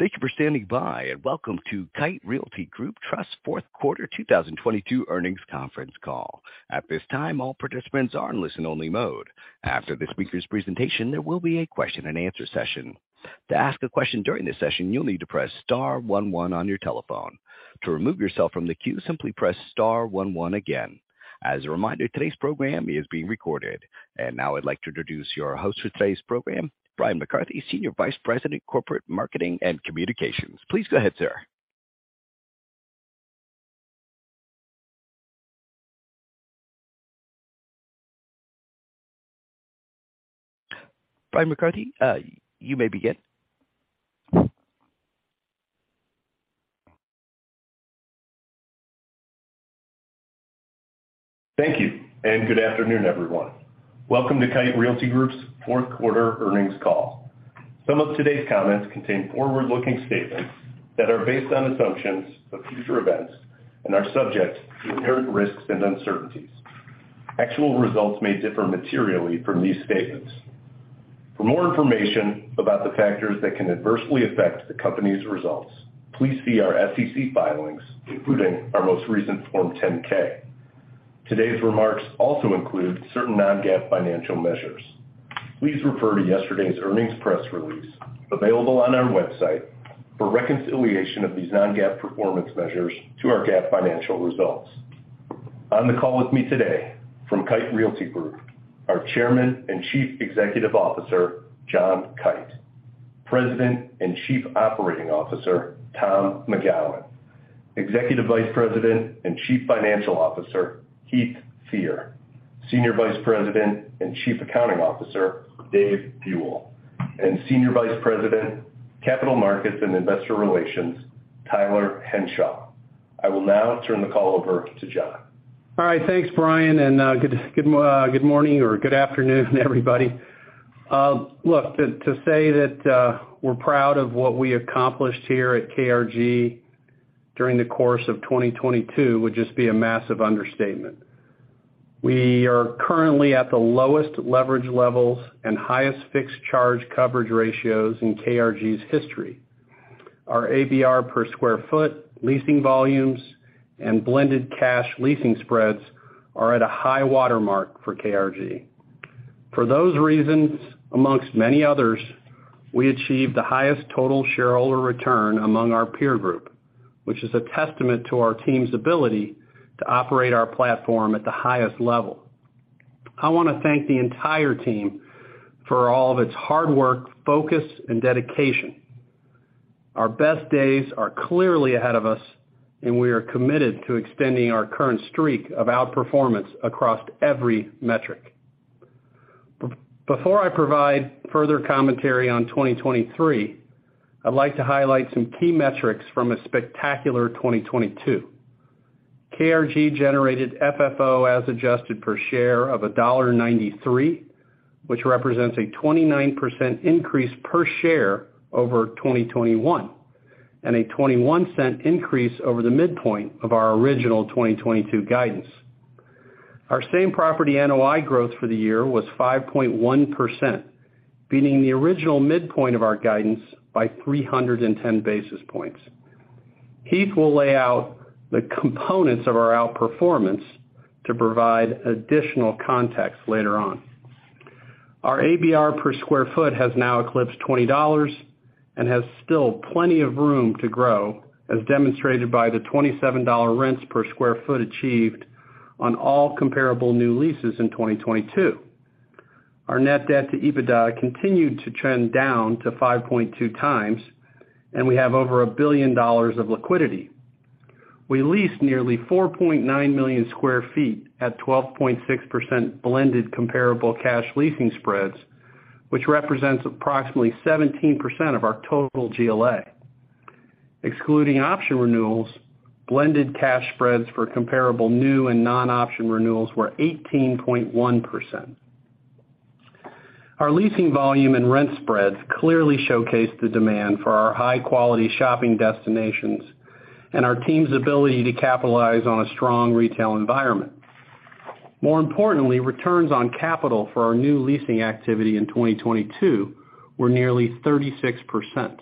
Thank you for standing by. Welcome to Kite Realty Group Trust fourth quarter 2022 earnings conference call. At this time, all participants are in listen-only mode. After the speaker's presentation, there will be a question-and-answer session. To ask a question during this session, you'll need to press star one one on your telephone. To remove yourself from the queue, simply press star one one again. As a reminder, today's program is being recorded. Now I'd like to introduce your host for today's program, Bryan McCarthy, Senior Vice President, Corporate Marketing and Communications. Please go ahead, sir. Bryan McCarthy, you may begin. Thank you, good afternoon, everyone. Welcome to Kite Realty Group's fourth quarter earnings call. Some of today's comments contain forward-looking statements that are based on assumptions of future events and are subject to inherent risks and uncertainties. Actual results may differ materially from these statements. For more information about the factors that can adversely affect the company's results, please see our SEC filings, including our most recent Form 10-K. Today's remarks also include certain non-GAAP financial measures. Please refer to yesterday's earnings press release available on our website for reconciliation of these non-GAAP performance measures to our GAAP financial results. On the call with me today from Kite Realty Group, our Chairman and Chief Executive Officer, John Kite, President and Chief Operating Officer, Tom McGowan, Executive Vice President and Chief Financial Officer, Heath Fehr, Senior Vice President and Chief Accounting Officer, Dave Buell, and Senior Vice President, Capital Markets and Investor Relations, Tyler Henshaw. I will now turn the call over to John. All right, thanks, Bryan, and good morning or good afternoon, everybody. Look, to say that we're proud of what we accomplished here at KRG during the course of 2022 would just be a massive understatement. We are currently at the lowest leverage levels and highest fixed charge coverage ratios in KRG's history. Our ABR per square foot, leasing volumes, and blended cash leasing spreads are at a high watermark for KRG. For those reasons, amongst many others, we achieved the highest total shareholder return among our peer group, which is a testament to our team's ability to operate our platform at the highest level. I wanna thank the entire team for all of its hard work, focus, and dedication. Our best days are clearly ahead of us, and we are committed to extending our current streak of outperformance across every metric. Before I provide further commentary on 2023, I'd like to highlight some key metrics from a spectacular 2022. KRG generated FFO as adjusted per share of $1.93, which represents a 29% increase per share over 2021 and a $0.21 increase over the midpoint of our original 2022 guidance. Our same-property NOI growth for the year was 5.1%, beating the original midpoint of our guidance by 310 basis points. Heath will lay out the components of our outperformance to provide additional context later on. Our ABR per square foot has now eclipsed $20 and has still plenty of room to grow, as demonstrated by the $27 rents per square foot achieved on all comparable new leases in 2022. Our net debt to EBITDA continued to trend down to 5.2x, and we have over $1 billion of liquidity. We leased nearly 4.9 million sq ft at 12.6% blended comparable cash leasing spreads, which represents approximately 17% of our total GLA. Excluding option renewals, blended cash spreads for comparable new and non-option renewals were 18.1%. Our leasing volume and rent spreads clearly showcase the demand for our high-quality shopping destinations and our team's ability to capitalize on a strong retail environment. More importantly, returns on capital for our new leasing activity in 2022 were nearly 36%.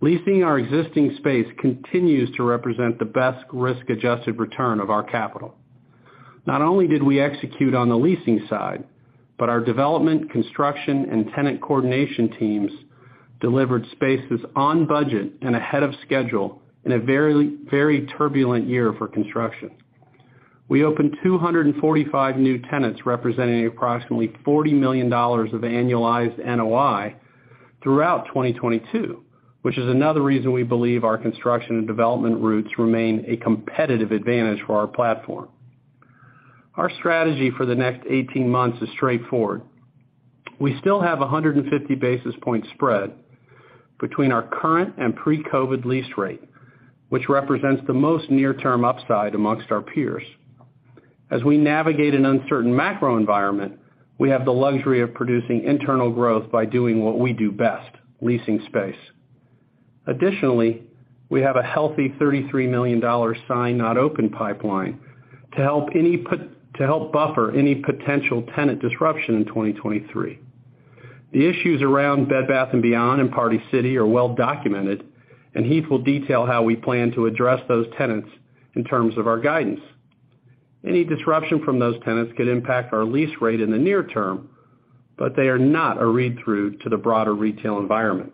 Leasing our existing space continues to represent the best risk-adjusted return of our capital. Not only did we execute on the leasing side, our development, construction, and tenant coordination teams delivered spaces on budget and ahead of schedule in a very, very turbulent year for construction. We opened 245 new tenants representing approximately $40 million of annualized NOI throughout 2022, which is another reason we believe our construction and development routes remain a competitive advantage for our platform. Our strategy for the next 18 months is straightforward. We still have a 150 basis point spread between our current and pre-COVID lease rate, which represents the most near-term upside amongst our peers. As we navigate an uncertain macro environment, we have the luxury of producing internal growth by doing what we do best, leasing space. Additionally, we have a healthy $33 million Signed Not Open pipeline to help buffer any potential tenant disruption in 2023. The issues around Bed Bath & Beyond and Party City are well documented. Heath will detail how we plan to address those tenants in terms of our guidance. Any disruption from those tenants could impact our lease rate in the near term. They are not a read-through to the broader retail environment.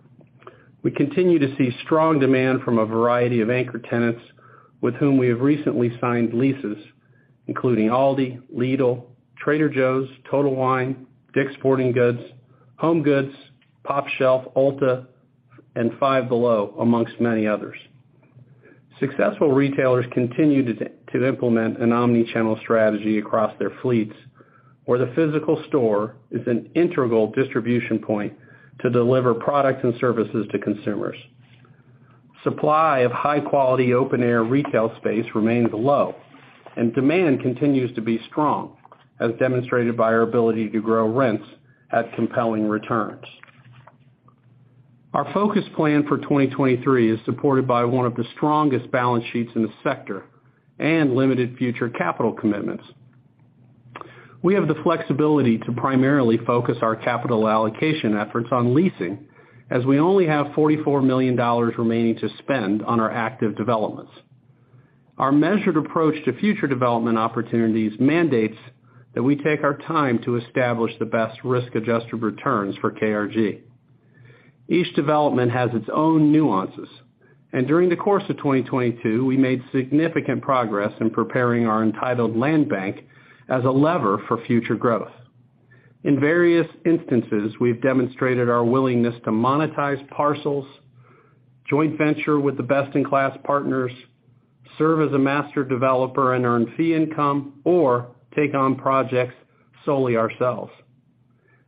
We continue to see strong demand from a variety of anchor tenants with whom we have recently signed leases, including Aldi, Lidl, Trader Joe's, Total Wine, DICK'S Sporting Goods, HomeGoods, pOpshelf, Ulta, and Five Below, amongst many others. Successful retailers continue to implement an omni-channel strategy across their fleets, where the physical store is an integral distribution point to deliver products and services to consumers. Supply of high-quality open-air retail space remains low, and demand continues to be strong, as demonstrated by our ability to grow rents at compelling returns. Our focus plan for 2023 is supported by one of the strongest balance sheets in the sector and limited future capital commitments. We have the flexibility to primarily focus our capital allocation efforts on leasing, as we only have $44 million remaining to spend on our active developments. Our measured approach to future development opportunities mandates that we take our time to establish the best risk-adjusted returns for KRG. Each development has its own nuances, and during the course of 2022, we made significant progress in preparing our entitled land bank as a lever for future growth. In various instances, we've demonstrated our willingness to monetize parcels, joint venture with the best-in-class partners, serve as a master developer and earn fee income, or take on projects solely ourselves.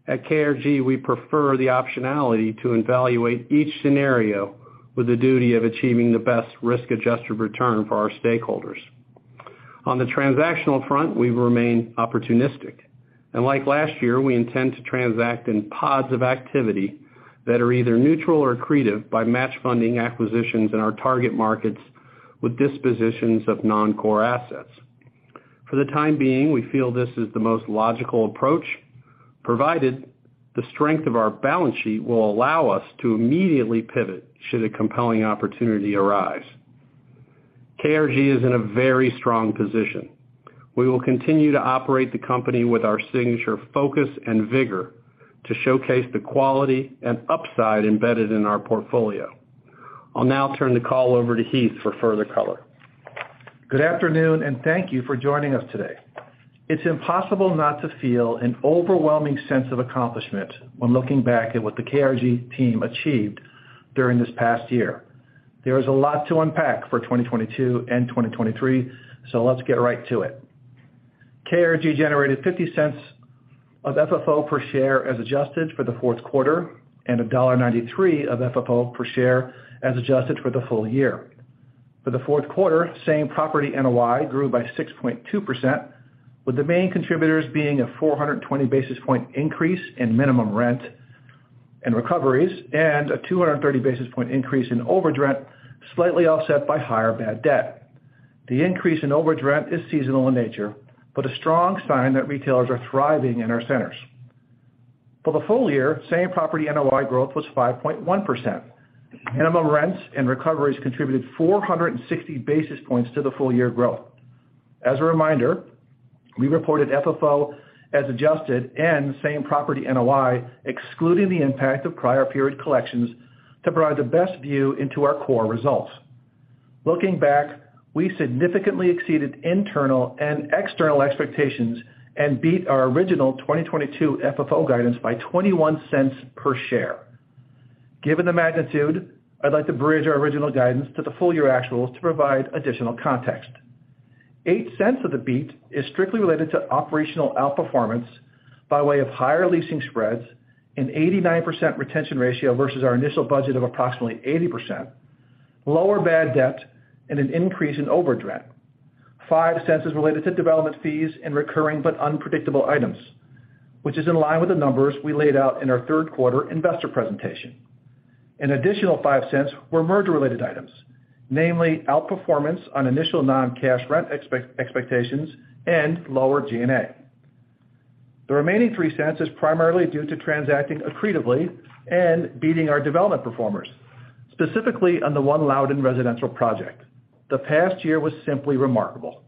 At KRG, we prefer the optionality to evaluate each scenario with the duty of achieving the best risk-adjusted return for our stakeholders. On the transactional front, we remain opportunistic. Like last year, we intend to transact in pods of activity that are either neutral or accretive by match funding acquisitions in our target markets with dispositions of non-core assets. For the time being, we feel this is the most logical approach, provided the strength of our balance sheet will allow us to immediately pivot should a compelling opportunity arise. KRG is in a very strong position. We will continue to operate the company with our signature focus and vigor to showcase the quality and upside embedded in our portfolio. I'll now turn the call over to Heath for further color. Good afternoon, thank you for joining us today. It's impossible not to feel an overwhelming sense of accomplishment when looking back at what the KRG team achieved during this past year. There is a lot to unpack for 2022 and 2023, let's get right to it. KRG generated $0.50 of FFO per share as adjusted for the fourth quarter and $1.93 of FFO per share as adjusted for the full year. For the fourth quarter, same-property NOI grew by 6.2%, with the main contributors being a 420 basis point increase in minimum rent and recoveries and a 230 basis point increase in overage rent, slightly offset by higher bad debt. The increase in overage rent is seasonal in nature, but a strong sign that retailers are thriving in our centers. For the full year, same-property NOI growth was 5.1%. Minimum rents and recoveries contributed 460 basis points to the full year growth. As a reminder, we reported FFO as adjusted and same-property NOI, excluding the impact of prior period collections, to provide the best view into our core results. Looking back, we significantly exceeded internal and external expectations and beat our original 2022 FFO guidance by $0.21 per share. Given the magnitude, I'd like to bridge our original guidance to the full year actuals to provide additional context. $0.08 of the beat is strictly related to operational outperformance by way of higher leasing spreads, an 89% retention ratio versus our initial budget of approximately 80%, lower bad debt, and an increase in overage rent. $0.05 is related to development fees and recurring but unpredictable items, which is in line with the numbers we laid out in our third quarter investor presentation. An additional $0.05 were merger-related items, namely outperformance on initial non-cash rent expectations and lower G&A. The remaining $0.03 is primarily due to transacting accretively and beating our development performers, specifically on the One Loudoun residential project. The past year was simply remarkable.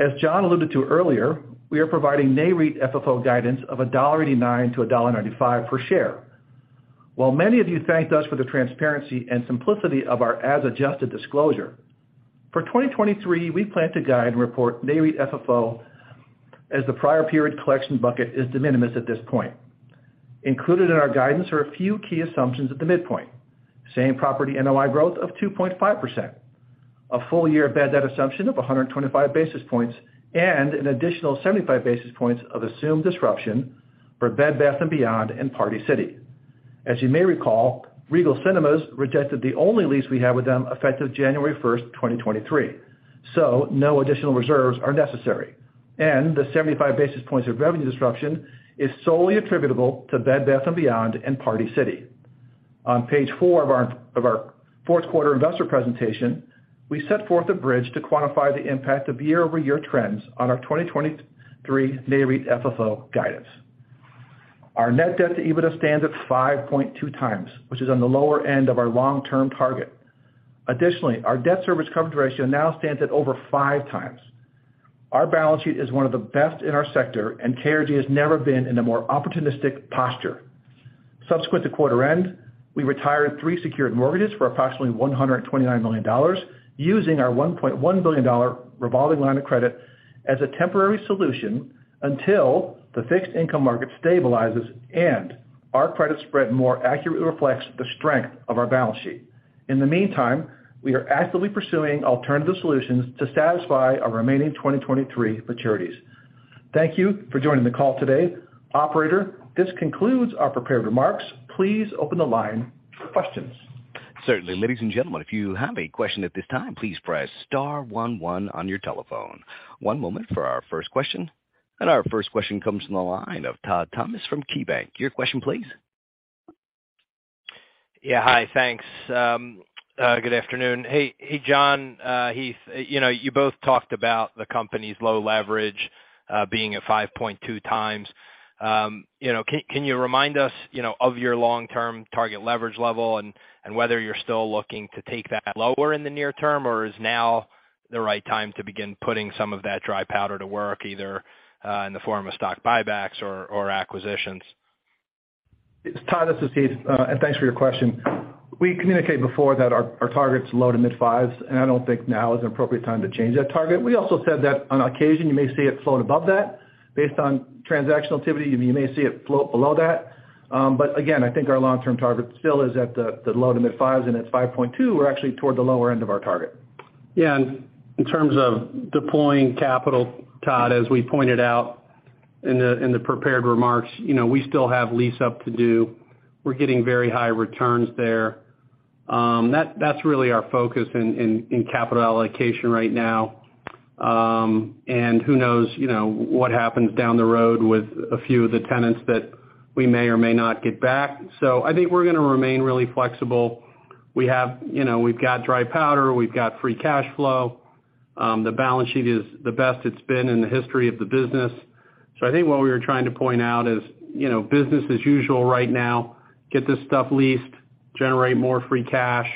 As John alluded to earlier, we are providing NAREIT FFO guidance of $1.89-$1.95 per share. While many of you thanked us for the transparency and simplicity of our as-adjusted disclosure, for 2023, we plan to guide and report NAREIT FFO as the prior period collection bucket is de minimis at this point. Included in our guidance are a few key assumptions at the midpoint: same property NOI growth of 2.5%, a full-year bad debt assumption of 125 basis points, and an additional 75 basis points of assumed disruption for Bed Bath & Beyond and Party City. As you may recall, Regal Cinemas rejected the only lease we had with them effective January 1st, 2023, so no additional reserves are necessary. The 75 basis points of revenue disruption is solely attributable to Bed Bath & Beyond and Party City. On page four of our fourth quarter investor presentation, we set forth a bridge to quantify the impact of year-over-year trends on our 2023 NAREIT FFO guidance. Our net debt to EBITDA stands at 5.2 times, which is on the lower end of our long-term target. Additionally, our debt service coverage ratio now stands at over five times. Our balance sheet is one of the best in our sector, and KRG has never been in a more opportunistic posture. Subsequent to quarter end, we retired three secured mortgages for approximately $129 million, using our $1.1 billion revolving line of credit as a temporary solution until the fixed income market stabilizes and our credit spread more accurately reflects the strength of our balance sheet. In the meantime, we are actively pursuing alternative solutions to satisfy our remaining 2023 maturities. Thank you for joining the call today. Operator, this concludes our prepared remarks. Please open the line for questions. Certainly. Ladies and gentlemen, if you have a question at this time, please press star one one on your telephone. One moment for our first question. Our first question comes from the line of Todd Thomas from KeyBanc. Your question please. Yeah. Hi. Thanks. Good afternoon. Hey John, Heath, you know, you both talked about the company's low leverage, being at 5.2 times. You know, can you remind us, you know, of your long-term target leverage level and whether you're still looking to take that lower in the near term, or is now the right time to begin putting some of that dry powder to work either in the form of stock buybacks or acquisitions? Todd, this is Heath. Thanks for your question. We communicated before that our target's low to mid-fives. I don't think now is an appropriate time to change that target. We also said that on occasion you may see it float above that. Based on transactional activity, you may see it float below that. Again, I think our long-term target still is at the low to mid-fives, and at 5.2, we're actually toward the lower end of our target. Yeah. In terms of deploying capital, Todd, as we pointed out in the, in the prepared remarks, you know, we still have lease up to do. We're getting very high returns there. That's really our focus in capital allocation right now. Who knows, you know, what happens down the road with a few of the tenants that we may or may not get back. I think we're gonna remain really flexible. We have, you know, we've got dry powder, we've got free cash flow. The balance sheet is the best it's been in the history of the business. I think what we were trying to point out is, you know, business as usual right now, get this stuff leased, generate more free cash,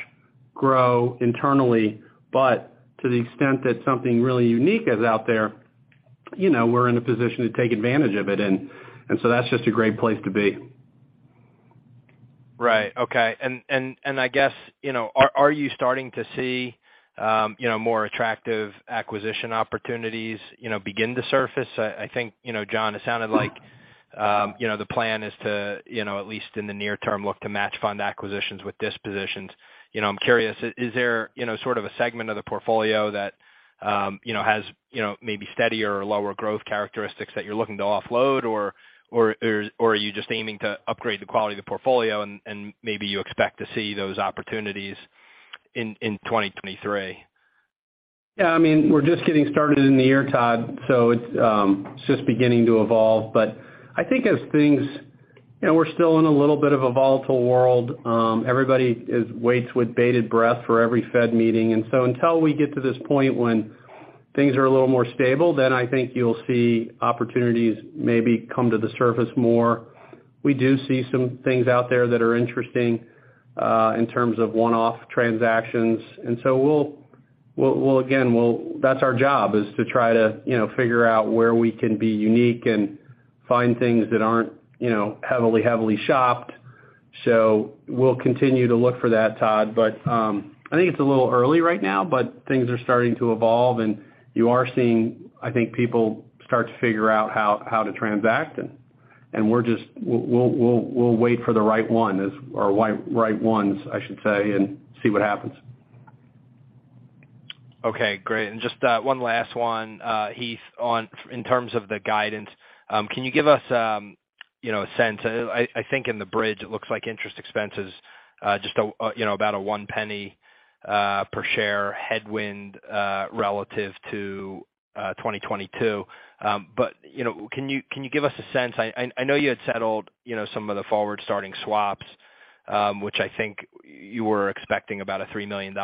grow internally. To the extent that something really unique is out there, you know, we're in a position to take advantage of it. That's just a great place to be. Right. Okay. I guess, you know, are you starting to see, you know, more attractive acquisition opportunities, you know, begin to surface? I think, you know, John, it sounded like, you know, the plan is to, you know, at least in the near term, look to match fund acquisitions with dispositions. You know, I'm curious, is there, you know, sort of a segment of the portfolio that, you know, has, you know, maybe steadier or lower growth characteristics that you're looking to offload? Or are you just aiming to upgrade the quality of the portfolio and maybe you expect to see those opportunities in 2023? Yeah. I mean, we're just getting started in the year, Todd, so it's just beginning to evolve. You know, we're still in a little bit of a volatile world. Everybody waits with bated breath for every Fed meeting. Until we get to this point when things are a little more stable, then I think you'll see opportunities maybe come to the surface more. We do see some things out there that are interesting in terms of one-off transactions. That's our job, is to try to, you know, figure out where we can be unique and find things that aren't, you know, heavily shopped. We'll continue to look for that, Todd. I think it's a little early right now, but things are starting to evolve and you are seeing, I think, people start to figure out how to transact. And we're just, we'll wait for the right one or right ones, I should say, and see what happens. Okay, great. Just one last one, Heath, in terms of the guidance. Can you give us, you know, a sense? I think in the bridge it looks like interest expense is just a, you know, about a one penny per share headwind relative to 2022. You know, can you give us a sense? I know you had settled, you know, some of the forward starting swaps, which I think you were expecting about a $3 million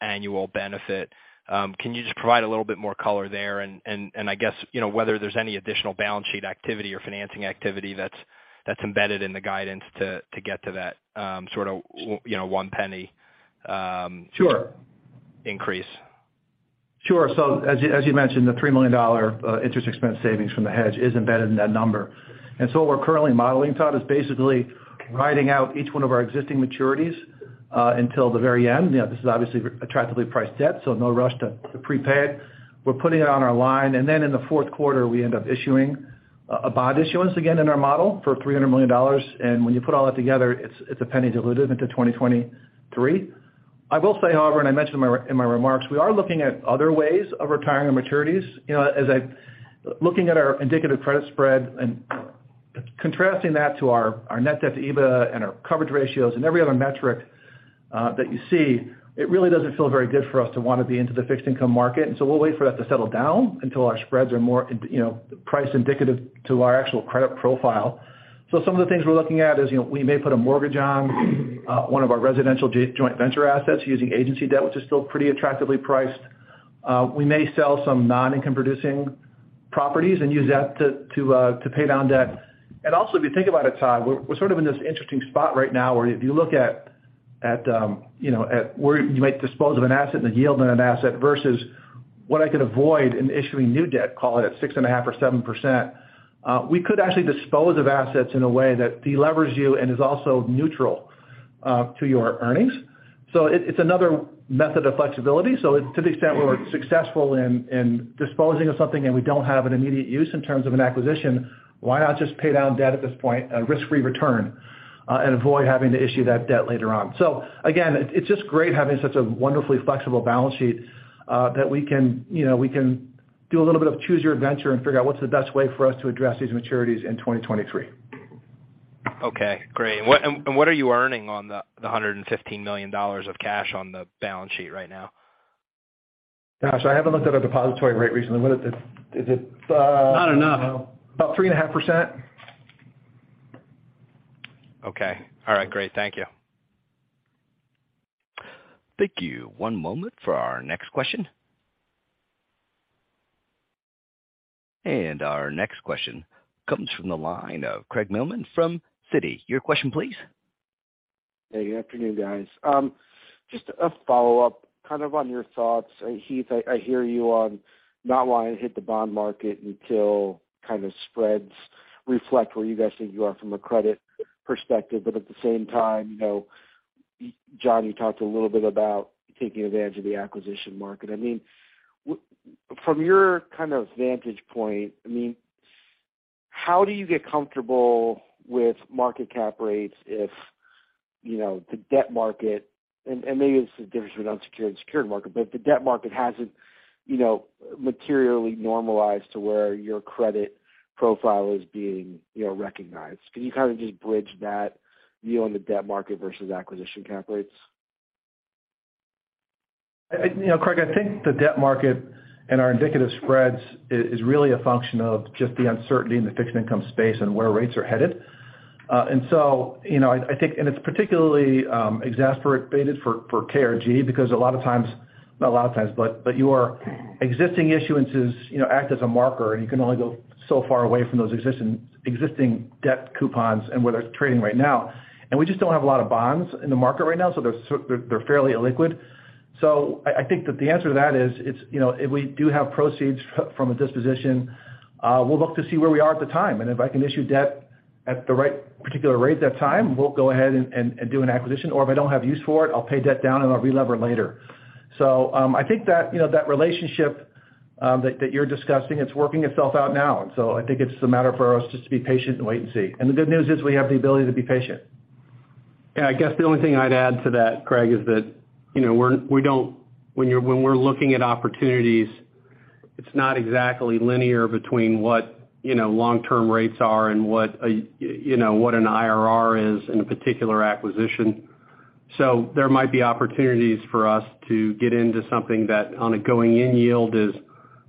annual benefit. Can you just provide a little bit more color there? I guess, you know, whether there's any additional balance sheet activity or financing activity that's embedded in the guidance to get to that sort of one, you know, one penny. Sure... increase. Sure. As you, as you mentioned, the $3 million interest expense savings from the hedge is embedded in that number. What we're currently modeling, Todd, is basically riding out each one of our existing maturities until the very end. You know, this is obviously attractively priced debt, so no rush to prepay it. We're putting it on our line. In the fourth quarter we end up issuing a bond issuance again in our model for $300 million. When you put all that together, it's a $0.01 diluted into 2023. I will say, however, and I mentioned in my remarks, we are looking at other ways of retiring our maturities. You know, looking at our indicative credit spread and contrasting that to our net debt to EBITDA and our coverage ratios and every other metric that you see. It really doesn't feel very good for us to wanna be into the fixed income market. We'll wait for that to settle down until our spreads are more, you know, price indicative to our actual credit profile. Some of the things we're looking at is, you know, we may put a mortgage on, one of our residential joint venture assets using agency debt, which is still pretty attractively priced. We may sell some non-income producing properties and use that to pay down debt. Also, if you think about it, Todd, we're sort of in this interesting spot right now where if you look at, you know, at where you might dispose of an asset and the yield on an asset versus what I could avoid in issuing new debt, call it at 6.5% or 7%, we could actually dispose of assets in a way that de-levers you and is also neutral to your earnings. It's another method of flexibility. To the extent where we're successful in disposing of something and we don't have an immediate use in terms of an acquisition, why not just pay down debt at this point, a risk-free return, and avoid having to issue that debt later on. Again, it's just great having such a wonderfully flexible balance sheet, that we can, you know, we can do a little bit of choose your adventure and figure out what's the best way for us to address these maturities in 2023. Okay, great. What are you earning on the $115 million of cash on the balance sheet right now? Gosh, I haven't looked at our depository rate recently. What it is it. Not enough. about 3.5%. Okay. All right. Great. Thank you. Thank you. One moment for our next question. Our next question comes from the line of Craig Mailman from Citi. Your question, please. Hey, good afternoon, guys. Just a follow-up kind of on your thoughts. Heath, I hear you on not wanting to hit the bond market until kind of spreads reflect where you guys think you are from a credit perspective. At the same time, you know, John, you talked a little bit about taking advantage of the acquisition market. I mean, from your kind of vantage point, I mean, how do you get comfortable with market cap rates if, you know, the debt market, and maybe this is different with unsecured and secured market, but if the debt market hasn't, you know, materially normalized to where your credit profile is being, you know, recognized. Can you kind of just bridge that view on the debt market versus acquisition cap rates? You know, Craig, I think the debt market and our indicative spreads is really a function of just the uncertainty in the fixed income space and where rates are headed. You know, I think it's particularly exasperated for KRG because a lot of times, not a lot of times, but your existing issuances, you know, act as a marker, and you can only go so far away from those existing debt coupons and where they're trading right now. We just don't have a lot of bonds in the market right now, so they're fairly illiquid. I think that the answer to that is, it's, you know, if we do have proceeds from a disposition, we'll look to see where we are at the time. If I can issue debt at the right particular rate that time, we'll go ahead and do an acquisition. If I don't have use for it, I'll pay debt down and I'll relever later. I think that, you know, that relationship that you're discussing, it's working itself out now. I think it's a matter for us just to be patient and wait and see. The good news is we have the ability to be patient. Yeah. I guess the only thing I'd add to that, Craig, is that, you know, when we're looking at opportunities, it's not exactly linear between what, you know, long-term rates are and what a, you know, what an IRR is in a particular acquisition. There might be opportunities for us to get into something that on a going in yield is,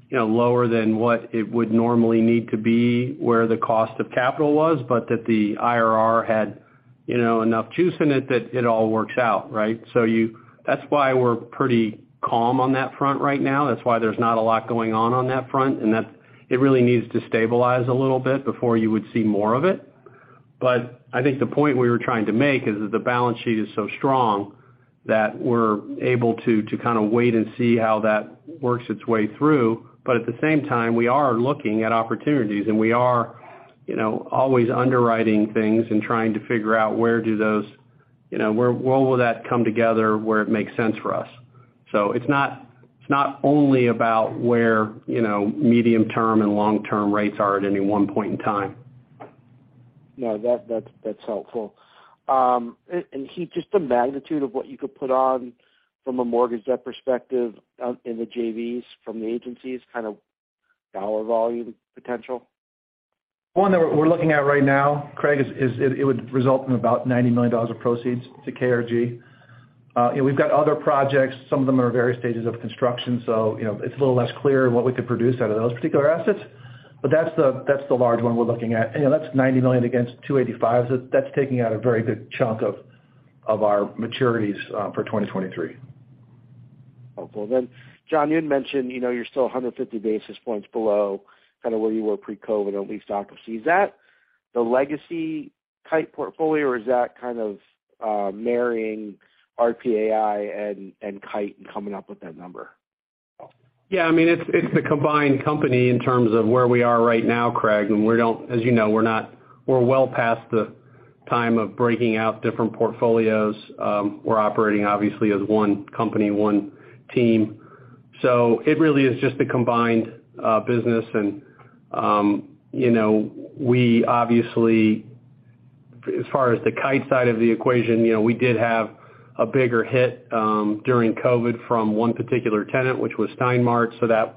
you know, lower than what it would normally need to be, where the cost of capital was, but that the IRR had, you know, enough juice in it that it all works out, right? That's why we're pretty calm on that front right now. That's why there's not a lot going on on that front, and that's it really needs to stabilize a little bit before you would see more of it. I think the point we were trying to make is that the balance sheet is so strong that we're able to kind of wait and see how that works its way through. At the same time, we are looking at opportunities, and we are, you know, always underwriting things and trying to figure out where do those, you know, where will that come together, where it makes sense for us. It's not, it's not only about where, you know, medium-term and long-term rates are at any one point in time. No, that's helpful. Kite, just the magnitude of what you could put on from a mortgage debt perspective out in the JVs from the agencies, kind of dollar volume potential? One that we're looking at right now, Craig, is it would result in about $90 million of proceeds to KRG. You know, we've got other projects. Some of them are in various stages of construction, so, you know, it's a little less clear what we could produce out of those particular assets. That's the large one we're looking at. You know, that's $90 million against $285 million. That's taking out a very big chunk of our maturities for 2023. Okay. John, you had mentioned, you know, you're still 150 basis points below kind of where you were pre-COVID on lease occupancy. Is that the Legacy Kite portfolio, or is that kind of marrying RPAI and Kite and coming up with that number? Yeah. I mean, it's the combined company in terms of where we are right now, Craig, and we don't, as you know, we're well past the time of breaking out different portfolios. We're operating obviously as one company, one team. It really is just the combined business. You know, we obviously, as far as the Kite side of the equation, you know, we did have a bigger hit during COVID from one particular tenant, which was Stein Mart. That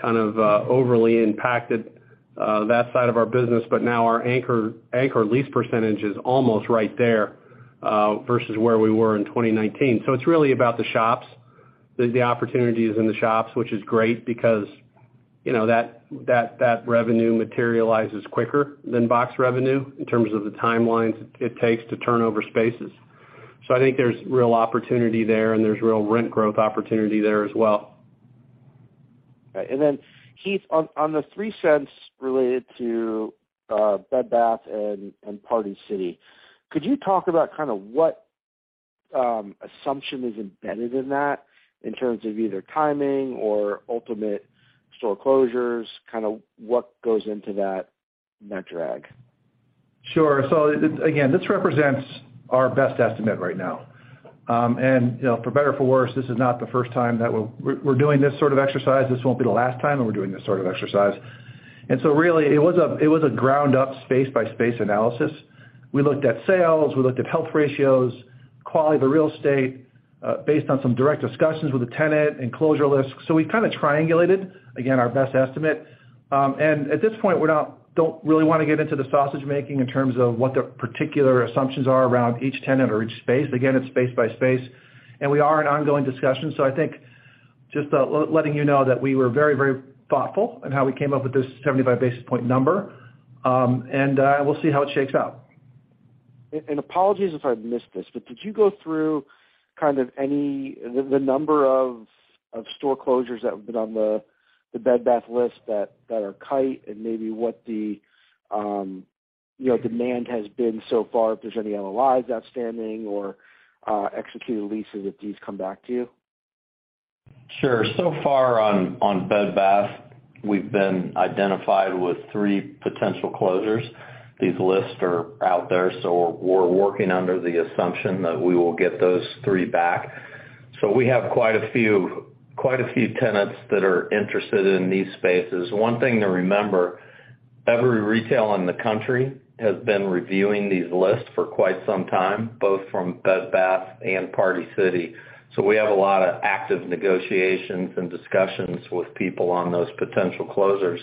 kind of overly impacted that side of our business, but now our anchor lease percentage is almost right there versus where we were in 2019. It's really about the shops. The opportunities in the shops, which is great because, you know, that revenue materializes quicker than box revenue in terms of the timelines it takes to turn over spaces. I think there's real opportunity there, and there's real rent growth opportunity there as well. Right. Then, Heath, on the $0.03 related to Bed Bath and Party City, could you talk about kind of what assumption is embedded in that in terms of either timing or ultimate store closures? Kind of what goes into that drag? Sure. Again, this represents our best estimate right now. you know, for better or for worse, this is not the first time that we're doing this sort of exercise. This won't be the last time that we're doing this sort of exercise. Really it was a ground-up space-by-space analysis. We looked at sales, we looked at health ratios, quality of the real estate, based on some direct discussions with the tenant and closure lists. We kind of triangulated, again, our best estimate. At this point, don't really wanna get into the sausage making in terms of what the particular assumptions are around each tenant or each space. Again, it's space by space, and we are in ongoing discussions. I think just, letting you know that we were very, very thoughtful in how we came up with this 75 basis point number. We'll see how it shakes out. Apologies if I missed this, but could you go through kind of the number of store closures that have been on the Bed Bath list that are Kite and maybe what the, you know, demand has been so far, if there's any LOIs outstanding or executed leases, if these come back to you? Sure. So far on Bed Bath, we've been identified with three potential closures. These lists are out there, we're working under the assumption that we will get those three back. We have quite a few tenants that are interested in these spaces. One thing to remember, every retail in the country has been reviewing these lists for quite some time, both from Bed Bath and Party City. We have a lot of active negotiations and discussions with people on those potential closures.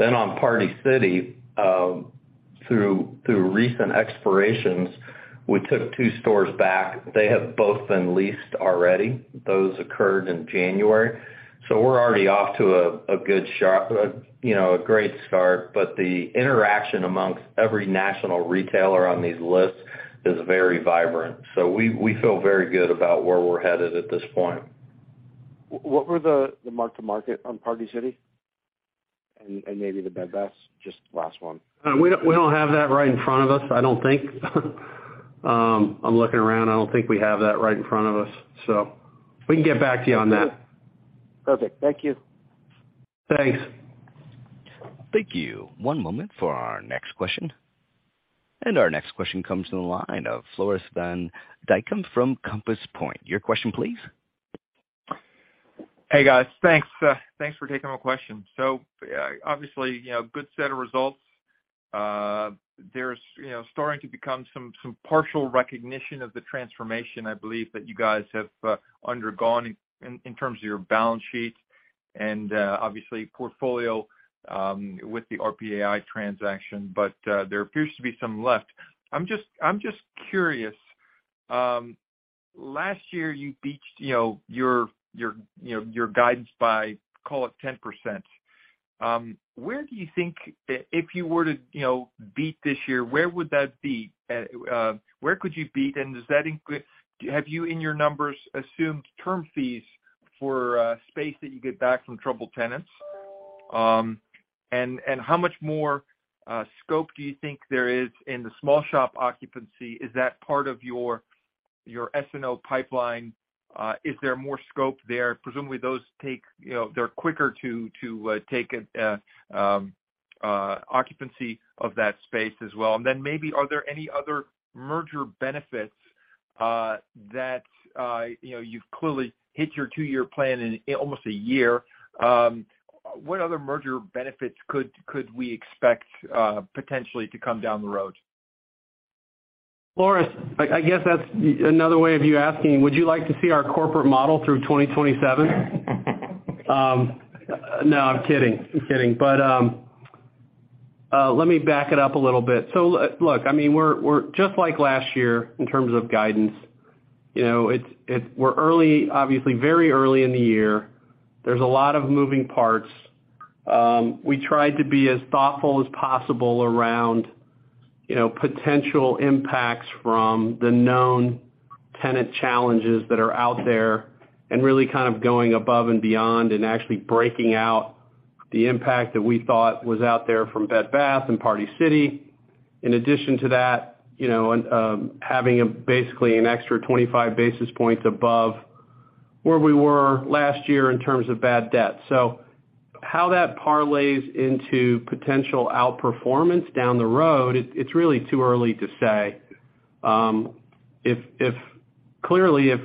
On Party City, through recent expirations, we took two stores back. They have both been leased already. Those occurred in January. We're already off to a good, you know, a great start, but the interaction amongst every national retailer on these lists is very vibrant. We feel very good about where we're headed at this point. What were the mark-to-market on Party City and maybe the Bed Bath, just last one? We don't have that right in front of us, I don't think. I'm looking around. I don't think we have that right in front of us. We can get back to you on that. Perfect. Thank you. Thanks. Thank you. One moment for our next question. Our next question comes to the line of Floris van Dijkum from Compass Point. Your question please. Hey, guys. Thanks, thanks for taking my question. Obviously, you know, good set of results. There's, you know, starting to become some partial recognition of the transformation, I believe, that you guys have undergone in terms of your balance sheet and obviously portfolio with the RPAI transaction. There appears to be some left. I'm just curious. Last year you beached, you know, your guidance by, call it 10%. Where do you think, if you were to, you know, beat this year, where would that be? Where could you beat? Have you, in your numbers, assumed term fees for space that you get back from troubled tenants? How much more scope do you think there is in the small shop occupancy? Is that part of your SNO pipeline? Is there more scope there? Presumably, those take, you know, they're quicker to take a occupancy of that space as well. Then maybe are there any other merger benefits that, you know, you've clearly hit your two year plan in almost a year? What other merger benefits could we expect potentially to come down the road? Floris, I guess that's another way of you asking, would you like to see our corporate model through 2027? No, I'm kidding. I'm kidding. Let me back it up a little bit. Look, I mean, we're just like last year in terms of guidance. You know, it's, we're early, obviously very early in the year. There's a lot of moving parts. We tried to be as thoughtful as possible around, you know, potential impacts from the known tenant challenges that are out there and really kind of going above and beyond and actually breaking out the impact that we thought was out there from Bed Bath and Party City. In addition to that, you know, having a basically an extra 25 basis points above where we were last year in terms of bad debt. How that parlays into potential outperformance down the road, it's really too early to say. If, clearly if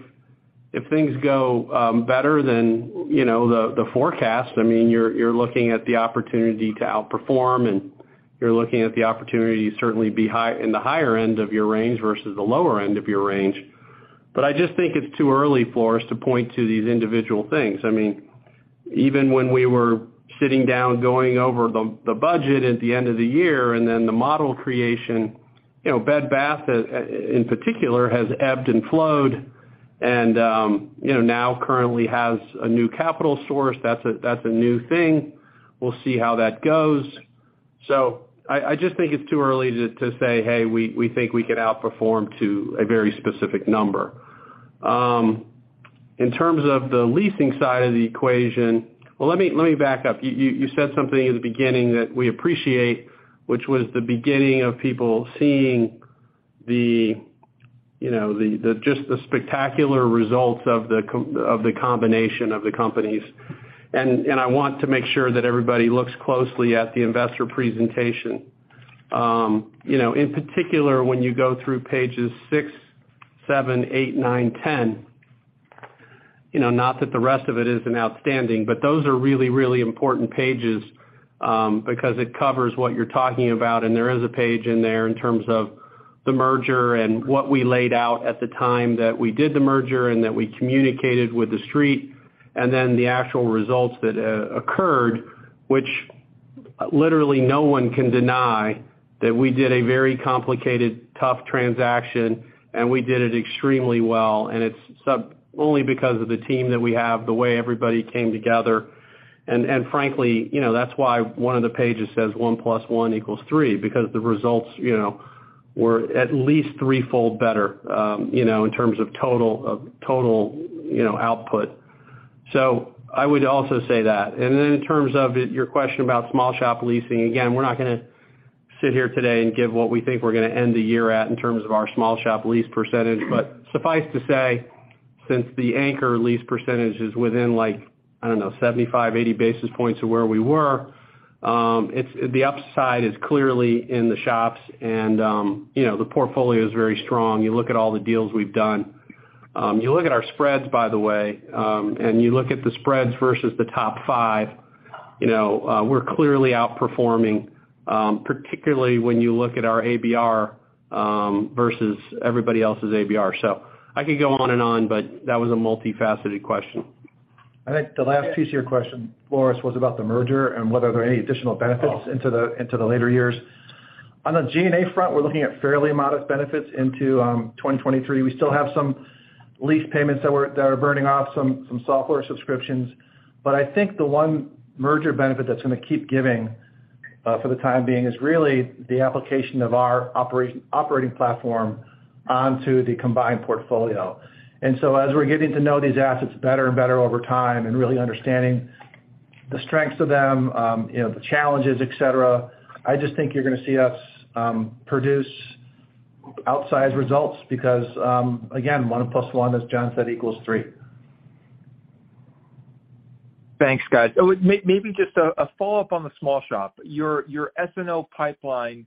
things go better than, you know, the forecast, I mean, you're looking at the opportunity to outperform, and you're looking at the opportunity to certainly be in the higher end of your range versus the lower end of your range. I just think it's too early for us to point to these individual things. I mean, even when we were sitting down going over the budget at the end of the year and then the model creation, you know, Bed Bath in particular has ebbed and flowed and, you know, now currently has a new capital source. That's a, that's a new thing. We'll see how that goes. I just think it's too early to say, "Hey, we think we could outperform to a very specific number." In terms of the leasing side of the equation... Let me back up. You said something in the beginning that we appreciate, which was the beginning of people seeing the, you know, the spectacular results of the combination of the companies. I want to make sure that everybody looks closely at the investor presentation. You know, in particular, when you go through pages six, seven, eight, nine, 10, you know, not that the rest of it isn't outstanding, but those are really, really important pages, because it covers what you're talking about. There is a page in there in terms of the merger and what we laid out at the time that we did the merger and that we communicated with the street, and then the actual results that occurred, which literally no one can deny that we did a very complicated, tough transaction, and we did it extremely well. It's only because of the team that we have, the way everybody came together. Frankly, you know, that's why one of the pages says, "one plus one equals three," because the results, you know, were at least three fold better, you know, in terms of total, you know, output. I would also say that. In terms of your question about small shop leasing, again, we're not gonna sit here today and give what we think we're gonna end the year at in terms of our small shop lease percentage. Suffice to say, since the anchor lease percentage is within, like, I don't know, 75, 80 basis points of where we were, the upside is clearly in the shops and, you know, the portfolio is very strong. You look at all the deals we've done. You look at our spreads, by the way, and you look at the spreads versus the top five, you know, we're clearly outperforming, particularly when you look at our ABR versus everybody else's ABR. I could go on and on, but that was a multifaceted question. I think the last piece of your question, Floris, was about the merger and whether there are any additional benefits. Oh. into the later years. On the G&A front, we're looking at fairly modest benefits into 2023. We still have some lease payments that are burning off some software subscriptions. I think the one merger benefit that's gonna keep giving for the time being is really the application of our operating platform onto the combined portfolio. As we're getting to know these assets better and better over time and really understanding the strengths of them, you know, the challenges, et cetera, I just think you're gonna see us produce outsized results because again, one plus one, as John said, equals three. Thanks, guys. Oh, maybe just a follow-up on the small shop. Your SNO pipeline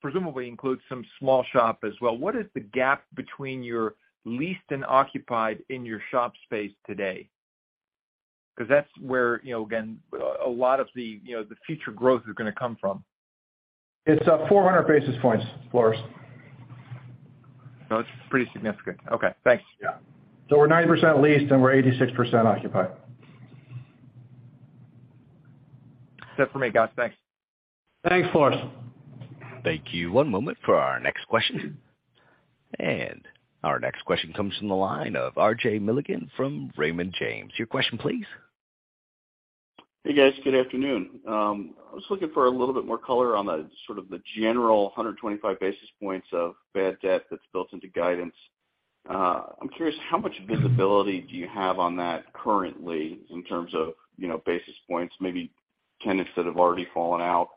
presumably includes some small shop as well. What is the gap between your leased and occupied in your shop space today? Because that's where, you know, again, a lot of the, you know, the future growth is gonna come from. It's, 400 basis points, Floris. It's pretty significant. Okay, thanks. Yeah. We're 90% leased, and we're 86% occupied. That's it for me, guys. Thanks. Thanks, Floris. Thank you. One moment for our next question. Our next question comes from the line of RJ Milligan from Raymond James. Your question, please. Hey, guys. Good afternoon. I was looking for a little bit more color on the, sort of the general 125 basis points of bad debt that's built into guidance. I'm curious, how much visibility do you have on that currently in terms of, you know, basis points, maybe tenants that have already fallen out?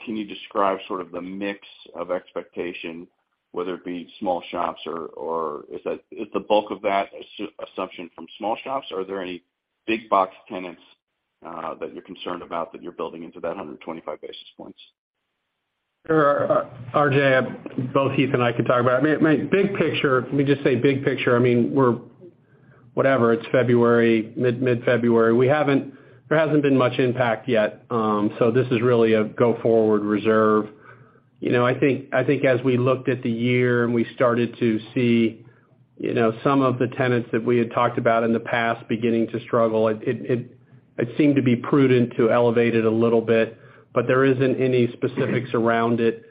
Can you describe sort of the mix of expectation, whether it be small shops or, is the bulk of that assumption from small shops? Are there any big box tenants, that you're concerned about that you're building into that 125 basis points? Sure. RJ, both Heath and I can talk about it. I mean, big picture, let me just say big picture, I mean, we're, whatever, it's February, mid-February. There hasn't been much impact yet. This is really a go-forward reserve. You know, I think, I think as we looked at the year and we started to see, you know, some of the tenants that we had talked about in the past beginning to struggle, it seemed to be prudent to elevate it a little bit, but there isn't any specifics around it.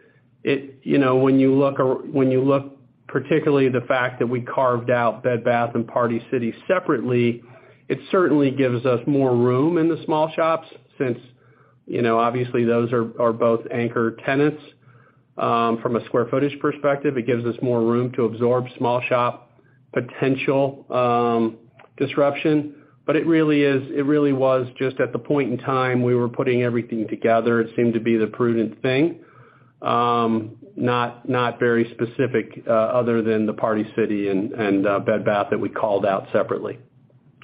You know, when you look particularly the fact that we carved out Bed Bath and Party City separately, it certainly gives us more room in the small shops since, you know, obviously those are both anchor tenants. From a square footage perspective, it gives us more room to absorb small shop potential disruption. It really is, it really was just at the point in time we were putting everything together, it seemed to be the prudent thing. Not very specific, other than the Party City and Bed Bath that we called out separately.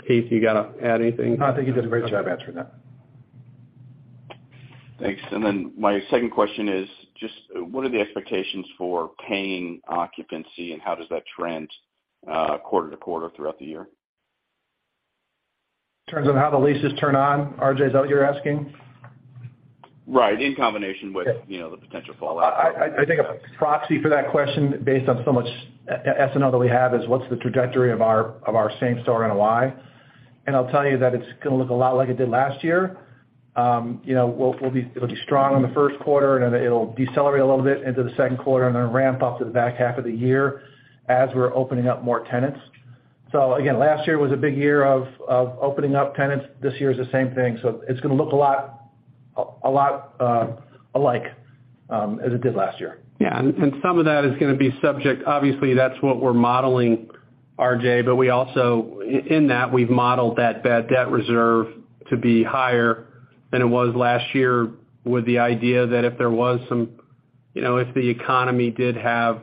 Heath, you got to add anything? No, I think you did a great job answering that. Thanks. My second question is just what are the expectations for paying occupancy, and how does that trend, quarter to quarter throughout the year? In terms of how the leases turn on, RJ, is that what you're asking? Right. In combination with, you know, the potential fallout. I think a proxy for that question based on so much SNO that we have is what's the trajectory of our same store NOI. I'll tell you that it's gonna look a lot like it did last year. You know, it'll be strong in the first quarter, and then it'll decelerate a little bit into the second quarter and then ramp up to the back half of the year as we're opening up more tenants. Again, last year was a big year of opening up tenants. This year is the same thing. It's gonna look a lot alike as it did last year. Yeah. Some of that is going to be subject. Obviously, that's what we're modeling, RJ, we also in that, we've modeled that bad debt reserve to be higher than it was last year with the idea that if there was some, you know, if the economy did have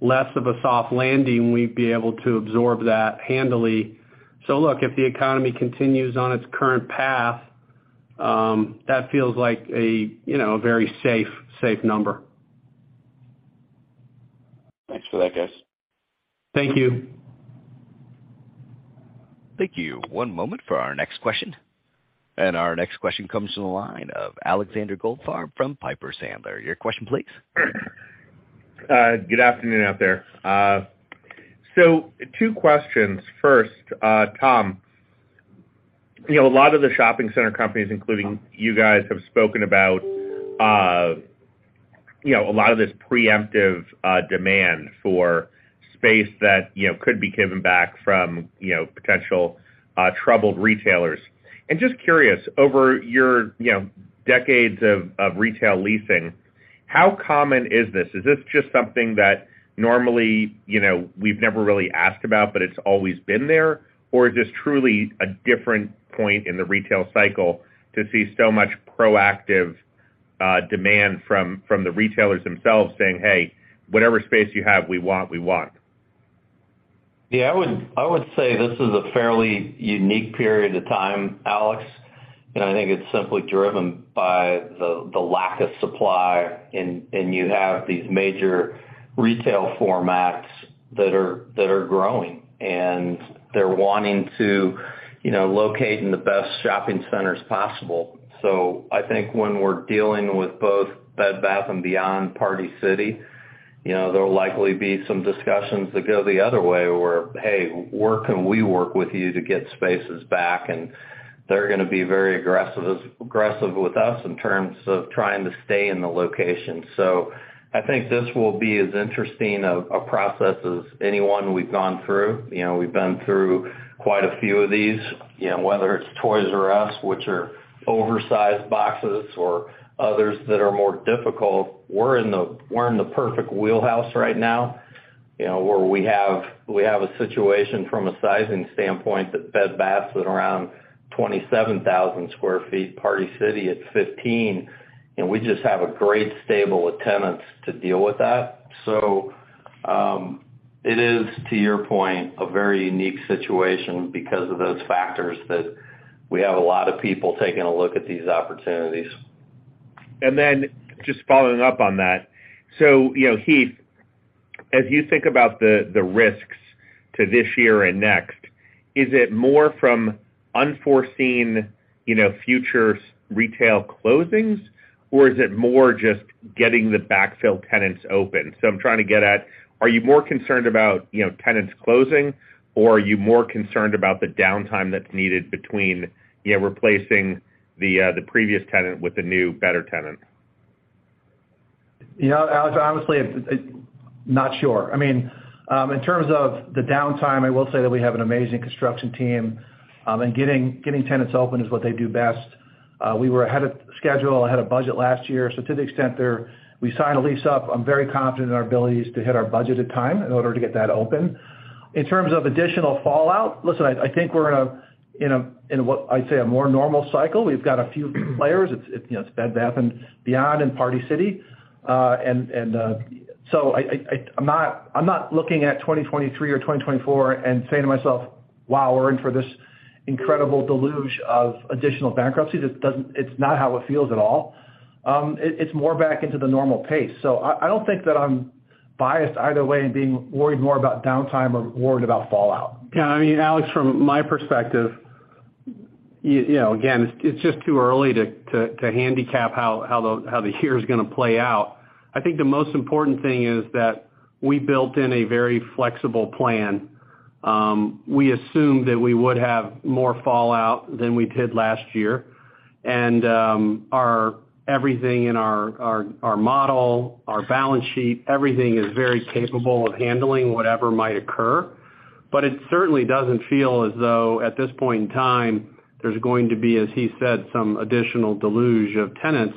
less of a soft landing, we'd be able to absorb that handily. Look, if the economy continues on its current path, that feels like a, you know, very safe number. Thanks for that, guys. Thank you. Thank you. One moment for our next question. Our next question comes from the line of Alexander Goldfarb from Piper Sandler. Your question, please. Good afternoon out there. two questions. First, Tom, you know, a lot of the shopping center companies, including you guys, have spoken about, you know, a lot of this preemptive demand for space that, you know, could be given back from, you know, potential troubled retailers. Just curious, over your, you know, decades of retail leasing, how common is this? Is this just something that normally, you know, we've never really asked about, but it's always been there? Is this truly a different point in the retail cycle to see so much proactive demand from the retailers themselves saying, "Hey, whatever space you have, we want, we want"? Yeah, I would say this is a fairly unique period of time, Alex, and I think it's simply driven by the lack of supply. You have these major retail formats that are growing, and they're wanting to, you know, locate in the best shopping centers possible. I think when we're dealing with both Bed Bath & Beyond, Party City, you know, there'll likely be some discussions that go the other way, where, "Hey, where can we work with you to get spaces back?" They're gonna be very aggressive with us in terms of trying to stay in the location. I think this will be as interesting a process as any one we've gone through. You know, we've been through quite a few of these, you know, whether it's Toys "R" Us, which are oversized boxes, or others that are more difficult. We're in the perfect wheelhouse right now, you know, where we have, we have a situation from a sizing standpoint that Bed Bath is at around 27,000 sq ft, Party City at 15, and we just have a great stable of tenants to deal with that. It is, to your point, a very unique situation because of those factors that we have a lot of people taking a look at these opportunities. Just following up on that. You know, Heath, as you think about the risks to this year and next, is it more from unforeseen, you know, future retail closings, or is it more just getting the backfill tenants open? I'm trying to get at, are you more concerned about, you know, tenants closing, or are you more concerned about the downtime that's needed between, you know, replacing the previous tenant with a new, better tenant? You know, Alex, honestly, it... Not sure. I mean, in terms of the downtime, I will say that we have an amazing construction team, and getting tenants open is what they do best. We were ahead of schedule, ahead of budget last year. To the extent there we sign a lease up, I'm very confident in our abilities to hit our budget at time in order to get that open. In terms of additional fallout, listen, I think we're in a, in what I'd say a more normal cycle. We've got a few players. It's, you know, it's Bed Bath & Beyond and Party City. I'm not looking at 2023 or 2024 and saying to myself, "Wow, we're in for this incredible deluge of additional bankruptcies." It doesn't. It's not how it feels at all. It's more back into the normal pace. I don't think that I'm biased either way in being worried more about downtime or worried about fallout. Yeah, I mean, Alex, from my perspective, you know, again, it's just too early to handicap how the year's gonna play out. I think the most important thing is that we built in a very flexible plan. We assumed that we would have more fallout than we did last year. Everything in our model, our balance sheet, everything is very capable of handling whatever might occur. It certainly doesn't feel as though, at this point in time, there's going to be, as Heath said, some additional deluge of tenants.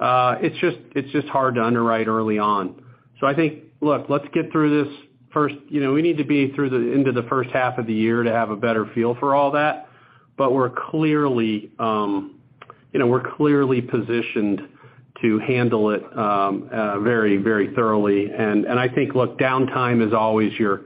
It's just hard to underwrite early on. I think, look, let's get through this first. You know, we need to be through into the first half of the year to have a better feel for all that, but we're clearly, you know, we're clearly positioned to handle it very, very thoroughly. I think, look, downtime is always your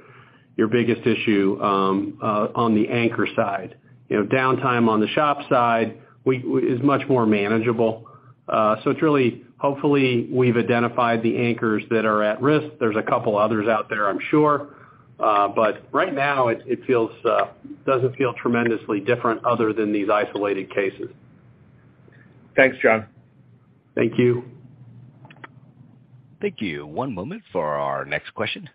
biggest issue on the anchor side. You know, downtime on the shop side is much more manageable. It's really, hopefully, we've identified the anchors that are at risk. There's a couple others out there, I'm sure. Right now, it feels, doesn't feel tremendously different other than these isolated cases. Thanks, John. Thank you. Thank you. One moment for our next question.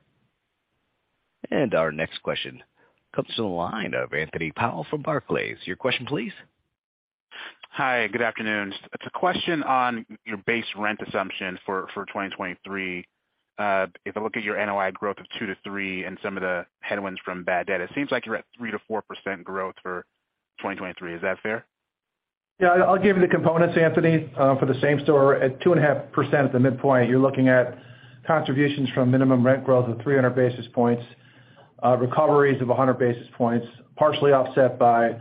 Our next question comes to the line of Anthony Powell from Barclays. Your question, please. Hi, good afternoon. It's a question on your base rent assumption for 2023. If I look at your NOI growth of 2% to 3% and some of the headwinds from bad debt, it seems like you're at 3% to 4% growth for 2023. Is that fair? Yeah, I'll give you the components, Anthony, for the same store. At 2.5% at the midpoint, you're looking at contributions from minimum rent growth of 300 basis points, recoveries of 100 basis points, partially offset by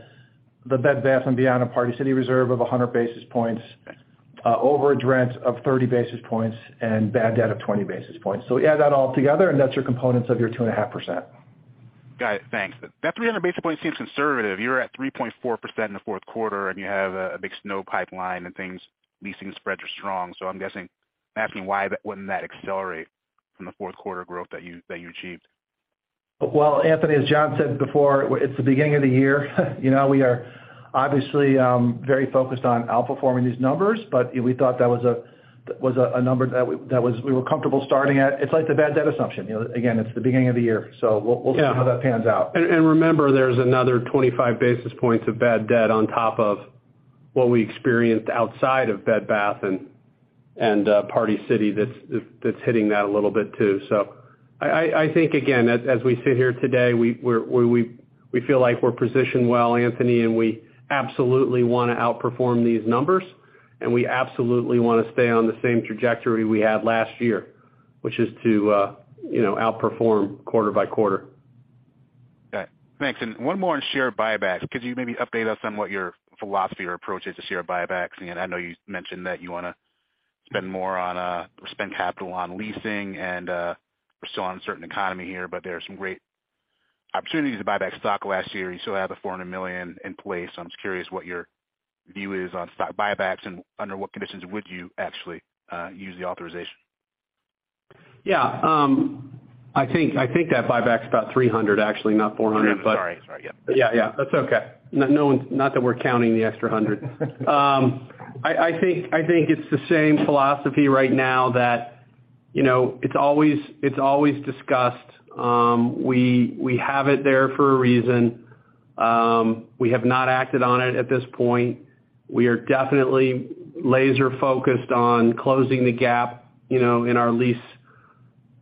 the Bed Bath & Beyond and Party City reserve of 100 basis points, overage rent of 30 basis points and bad debt of 20 basis points. Add that all together, and that's your components of your 2.5%. Got it. Thanks. That 300 basis point seems conservative. You're at 3.4% in the fourth quarter, you have a big SNO pipeline and things, leasing spreads are strong. I'm guessing, asking why that wouldn't accelerate from the fourth quarter growth that you achieved? Anthony, as John said before, it's the beginning of the year. You know, we are obviously very focused on outperforming these numbers, but we thought that was a, that was a number that we were comfortable starting at. It's like the bad debt assumption. You know, again, it's the beginning of the year, so we'll see how that pans out. Remember, there's another 25 basis points of bad debt on top of what we experienced outside of Bed Bath &, and Party City that's hitting that a little bit too. I think, again, as we sit here today, we feel like we're positioned well, Anthony, and we absolutely wanna outperform these numbers, and we absolutely wanna stay on the same trajectory we had last year, which is to, you know, outperform quarter by quarter. Got it. Thanks. One more on share buybacks. Could you maybe update us on what your philosophy or approach is to share buybacks? I know you mentioned that you wanna spend more on spend capital on leasing and we're still on a certain economy here, but there are some great opportunities to buy back stock last year. You still have the $400 million in place. I'm just curious what your view is on stock buybacks and under what conditions would you actually use the authorization. Yeah. I think that buyback's about $300 actually, not $400. $300. Sorry. Sorry. Yep. Yeah, yeah. That's okay. Not that we're counting the extra $100. I think it's the same philosophy right now that, you know, it's always discussed. We have it there for a reason. We have not acted on it at this point. We are definitely laser-focused on closing the gap, you know, in our lease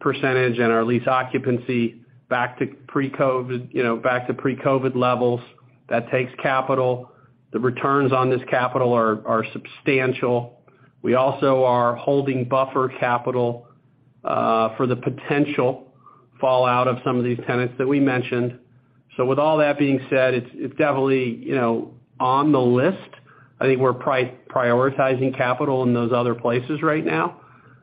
percentage and our lease occupancy back to pre-COVID, you know, back to pre-COVID levels. That takes capital. The returns on this capital are substantial. We also are holding buffer capital for the potential fallout of some of these tenants that we mentioned. With all that being said, it's definitely, you know, on the list. I think we're prioritizing capital in those other places right now,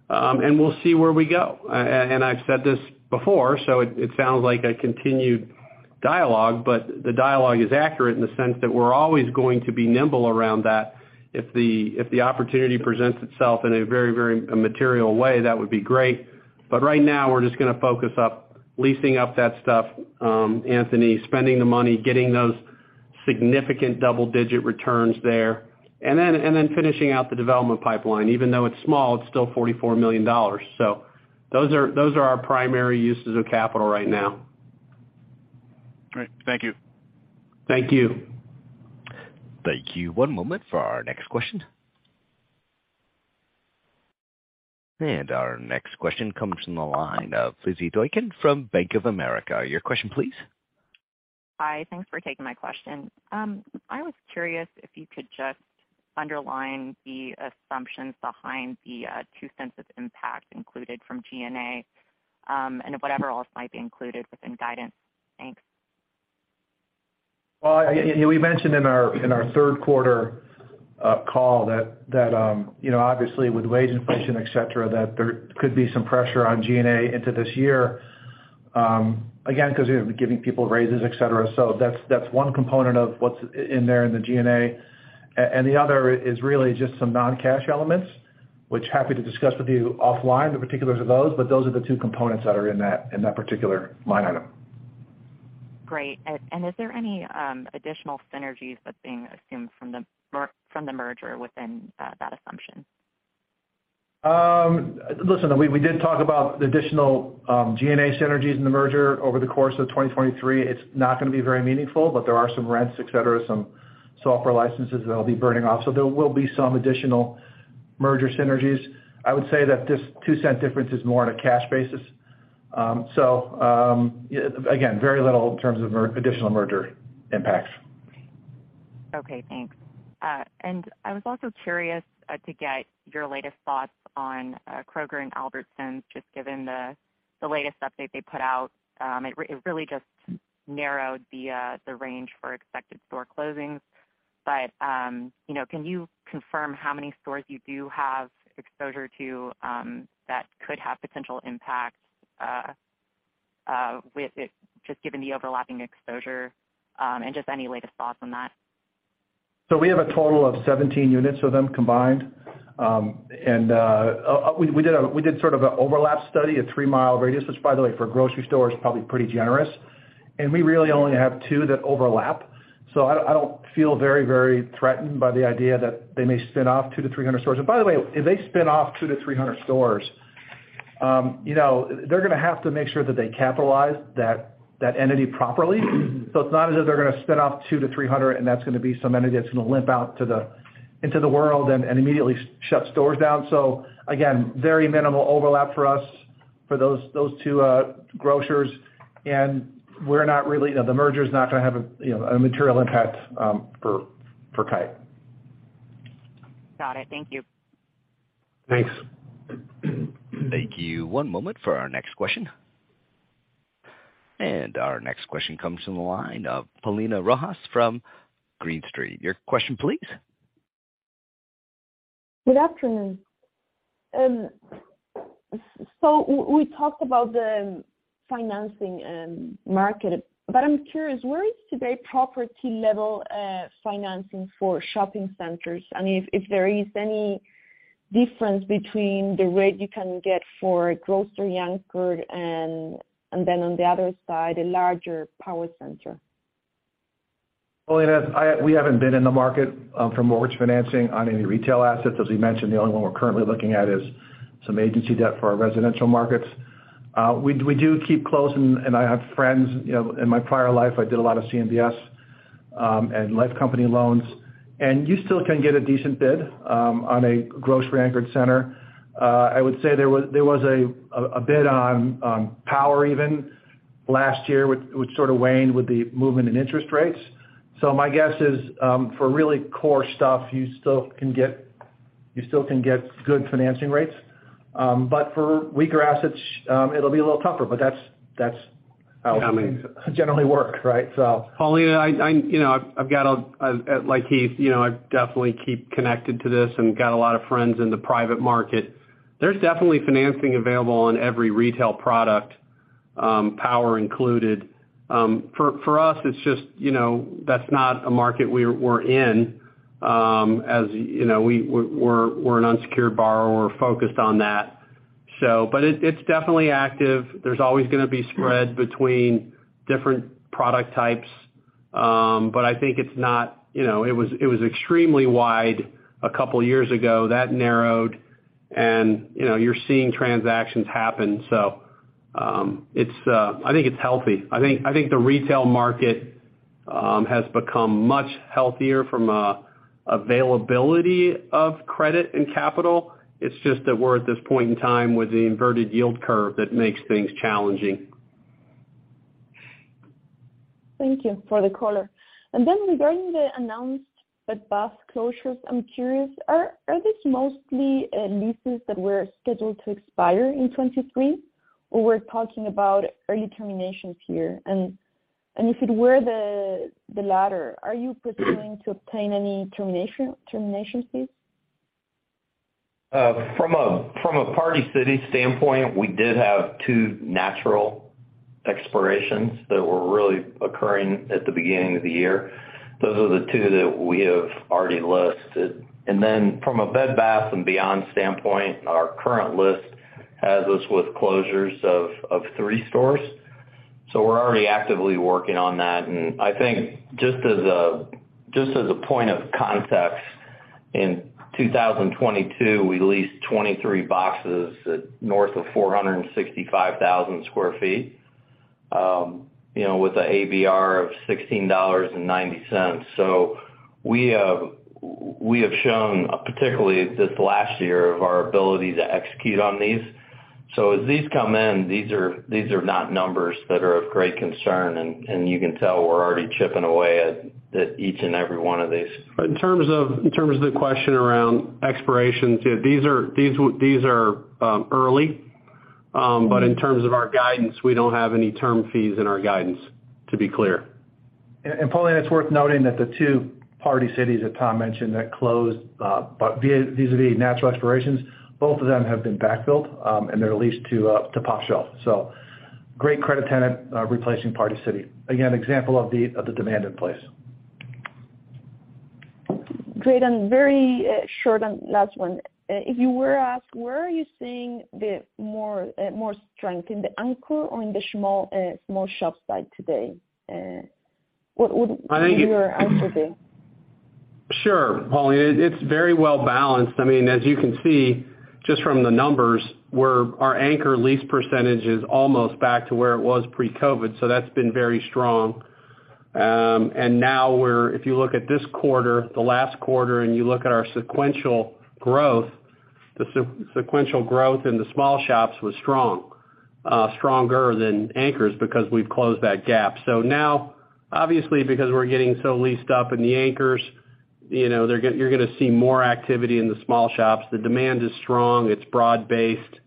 and we'll see where we go. I've said this before, so it sounds like a continued dialogue, but the dialogue is accurate in the sense that we're always going to be nimble around that. If the opportunity presents itself in a very material way, that would be great. Right now, we're just gonna focus up, leasing up that stuff, Anthony, spending the money, getting those significant double-digit returns there, and then finishing out the development pipeline. Even though it's small, it's still $44 million. Those are our primary uses of capital right now. Great. Thank you. Thank you. Thank you. One moment for our next question. Our next question comes from the line of Lizzy Doykan from Bank of America. Your question, please. Hi. Thanks for taking my question. I was curious if you could just underline the assumptions behind the $0.02 of impact included from G&A, and whatever else might be included within guidance. Thanks. We mentioned in our third quarter call that, you know, obviously with wage inflation, et cetera, that there could be some pressure on G&A into this year, again, because you're giving people raises, et cetera. That's one component of what's in there in the G&A. The other is really just some non-cash elements, which happy to discuss with you offline the particulars of those, but those are the two components that are in that particular line item. Great. Is there any additional synergies that's being assumed from the merger within that assumption? Listen, we did talk about the additional G&A synergies in the merger over the course of 2023. It's not gonna be very meaningful, but there are some rents, et cetera, some software licenses that'll be burning off. There will be some additional merger synergies. I would say that this $0.02 difference is more on a cash basis. Again, very little in terms of additional merger impacts. Okay. Thanks. I was also curious to get your latest thoughts on Kroger and Albertsons, just given the latest update they put out. It really just narrowed the range for expected store closings. You know, can you confirm how many stores you do have exposure to, that could have potential impact, with it just given the overlapping exposure, and just any latest thoughts on that? We have a total of 17 units of them combined. We did sort of an overlap study, a three mile radius, which by the way, for grocery store is probably pretty generous, and we really only have two that overlap. I don't feel very threatened by the idea that they may spin off 200-300 stores. By the way, if they spin off 200-300 stores, you know, they're gonna have to make sure that they capitalize that entity properly. It's not as if they're gonna spin off 200-300, and that's gonna be some entity that's gonna limp out into the world and immediately shut stores down. Again, very minimal overlap for us for those two grocers. We're not really. You know, the merger is not gonna have a, you know, a material impact, for Kite. Got it. Thank you. Thanks. Thank you. One moment for our next question. Our next question comes from the line of Paulina Rojas from Green Street. Your question please. Good afternoon. We talked about the financing market. I'm curious, where is today property level financing for shopping centers? If there is any difference between the rate you can get for grocery anchored and then on the other side, a larger power center. Paulina, we haven't been in the market for mortgage financing on any retail assets. We mentioned, the only one we're currently looking at is some agency debt for our residential markets. We do keep close, and I have friends, you know, in my prior life, I did a lot of CMBS and life company loans, you still can get a decent bid on a grocery anchored center. I would say there was a bid on power even last year, which sort of waned with the movement in interest rates. My guess is, for really core stuff, you still can get good financing rates. But for weaker assets, it'll be a little tougher, but that's how things generally work, right? Paulina, I... You know, I've got a... Like Heath, you know, I definitely keep connected to this and got a lot of friends in the private market. There's definitely financing available on every retail product, power included. For us, it's just, you know, that's not a market we're in, as you know, we're an unsecured borrower, we're focused on that. But it's definitely active. There's always gonna be spread between different product types, but I think it's not... You know, it was extremely wide a couple years ago. That narrowed and, you know, you're seeing transactions happen. It's, I think it's healthy. I think the retail market has become much healthier from a availability of credit and capital. It's just that we're at this point in time with the inverted yield curve that makes things challenging. Thank you for the color. Regarding the announced Bed Bath closures, I'm curious, are these mostly leases that were scheduled to expire in 23, or we're talking about early terminations here? If it were the latter, are you pursuing to obtain any termination fees? From a Party City standpoint, we did have two natural expirations that were really occurring at the beginning of the year. Those are the two that we have already listed. From a Bed Bath & Beyond standpoint, our current list has us with closures of three stores. We're already actively working on that. I think just as a point of context, in 2022, we leased 23 boxes at north of 465,000 sq ft, you know, with a ABR of $16.90. We have shown, particularly this last year, of our ability to execute on these. As these come in, these are not numbers that are of great concern, and you can tell we're already chipping away at each and every one of these. In terms of the question around expirations, these are early. In terms of our guidance, we don't have any term fees in our guidance, to be clear. Paulina, it's worth noting that the two Party City, as Tom mentioned, that closed, these are the natural expirations, both of them have been backfilled, and they're leased to pOpshelf. Great credit tenant, replacing Party City. Example of the demand in place. Great. Very, short and last one. If you were asked, where are you seeing the more strength, in the anchor or in the small shop side today? What would be your answer there? Sure, Paulina. It's very well balanced. I mean, as you can see, just from the numbers, our anchor lease percentage is almost back to where it was pre-COVID, that's been very strong. Now if you look at this quarter, the last quarter, and you look at our sequential growth, the sequential growth in the small shops was strong, stronger than anchors because we've closed that gap. Now, obviously, because we're getting so leased up in the anchors, you know, you're gonna see more activity in the small shops. The demand is strong. It's broad-based.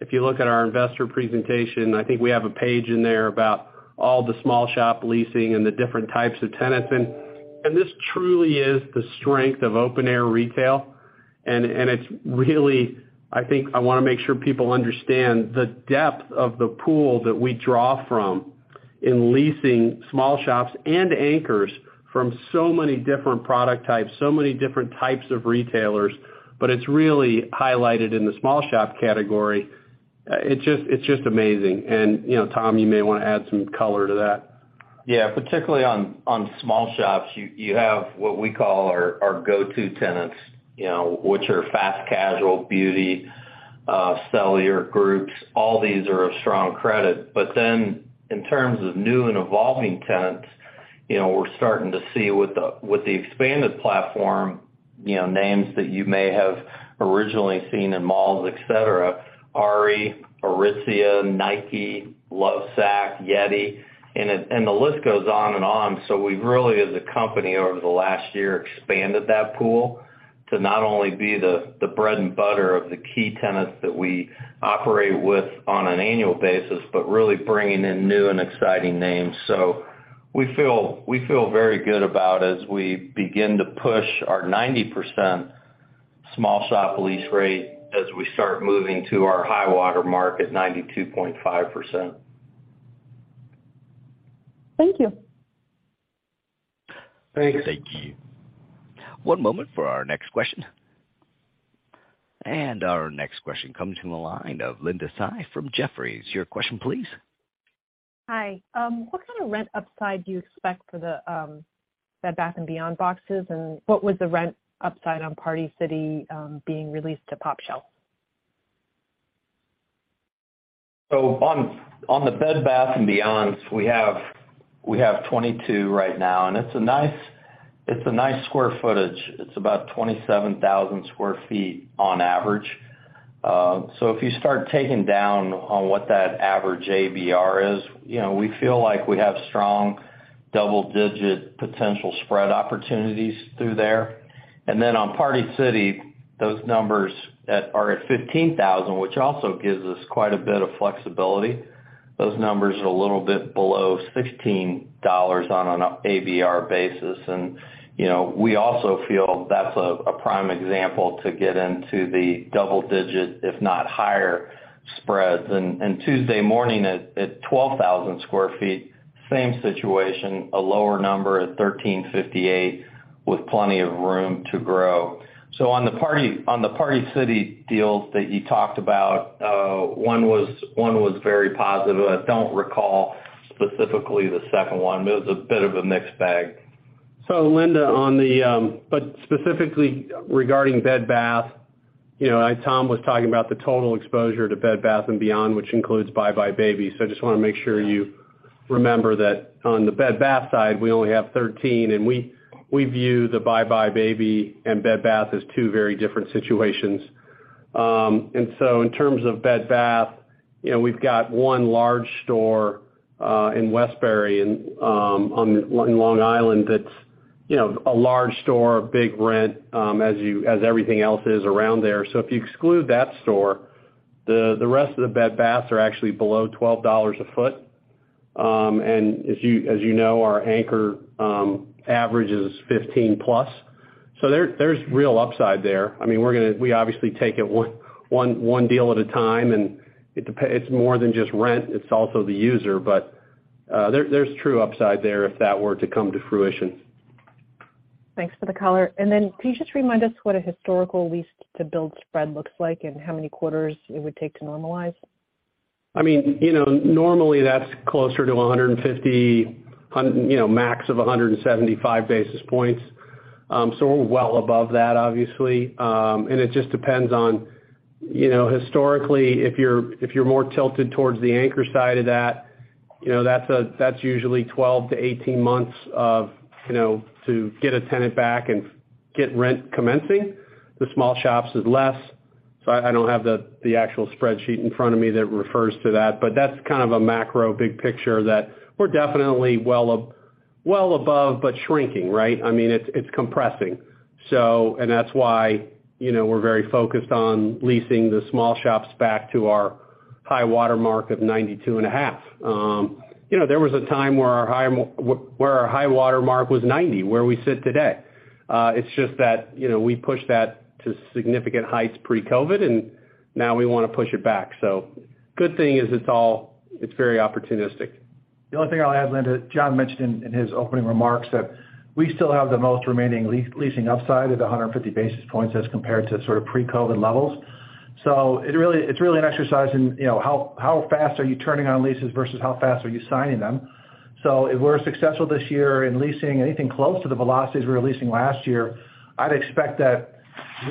If you look at our investor presentation, I think we have a page in there about all the small shop leasing and the different types of tenants. This truly is the strength of open air retail. I think I wanna make sure people understand the depth of the pool that we draw from in leasing small shops and anchors from so many different product types, so many different types of retailers, but it's really highlighted in the small shop category. It's just amazing. You know, Tom, you may wanna add some color to that. Yeah. Particularly on small shops, you have what we call our go-to tenants, you know, which are fast casual beauty, cellular groups. All these are of strong credit. In terms of new and evolving tenants, you know, we're starting to see with the expanded platform, you know, names that you may have originally seen in malls, et cetera, Aritzia, Nike, Lovesac, YETI, and the list goes on and on. We've really, as a company over the last year, expanded that pool to not only be the bread and butter of the key tenants that we operate with on an annual basis, but really bringing in new and exciting names. We feel very good about as we begin to push our 90% small shop lease rate as we start moving to our high water mark at 92.5%. Thank you. Thank you. Thank you. One moment for our next question. Our next question comes from the line of Linda Tsai from Jefferies. Your question please. Hi. What kind of rent upside do you expect for the Bed Bath & Beyond boxes? What was the rent upside on Party City being released to pOpshelf? On the Bed Bath & Beyond's, we have 22 right now, and it's a nice square footage. It's about 27,000 sq ft on average. If you start taking down on what that average ABR is, you know, we feel like we have strong double-digit potential spread opportunities through there. On Party City, those numbers are at 15,000, which also gives us quite a bit of flexibility. Those numbers are a little bit below $16 on an ABR basis. Tuesday Morning at 12,000 sq ft, same situation, a lower number at $13.58 with plenty of room to grow. On the Party City deals that you talked about, one was very positive. I don't recall specifically the second one, but it was a bit of a mixed bag. Linda, specifically regarding Bed Bath, you know, Tom was talking about the total exposure to Bed Bath & Beyond, which includes buybuy BABY. I just wanna make sure you remember that on the Bed Bath side, we only have 13, and we view the buybuy BABY and Bed Bath as two very different situations. In terms of Bed Bath, you know, we've got one large store in Westbury and in Long Island that's, you know, a large store, big rent, as everything else is around there. If you exclude that store, the rest of the Bed Baths are actually below $12 a foot. As you know, our anchor average is 15 plus. There's real upside there. I mean, we obviously take it one deal at a time. It's more than just rent, it's also the user. There's true upside there if that were to come to fruition. Thanks for the color. Then can you just remind us what a historical lease to build spread looks like and how many quarters it would take to normalize? I mean, you know, normally that's closer to 150, you know, max of 175 basis points. We're well above that obviously. It just depends on, you know, historically, if you're, if you're more tilted towards the anchor side of that, you know, that's usually 12 to 18 months of, you know, to get a tenant back and get rent commencing. The small shops is less, so I don't have the actual spreadsheet in front of me that refers to that. That's kind of a macro big picture that we're definitely well above, but shrinking, right? I mean, it's compressing. And that's why, you know, we're very focused on leasing the small shops back to our high water mark of 92.5%. You know, there was a time where our high water mark was 90, where we sit today. It's just that, you know, we pushed that to significant heights pre-COVID, and now we wanna push it back. Good thing is it's very opportunistic. The only thing I'll add, Linda, John mentioned in his opening remarks that we still have the most remaining leasing upside at 150 basis points as compared to sort of pre-COVID levels. It's really an exercise in, you know, how fast are you turning on leases versus how fast are you signing them. If we're successful this year in leasing anything close to the velocities we were leasing last year, I'd expect that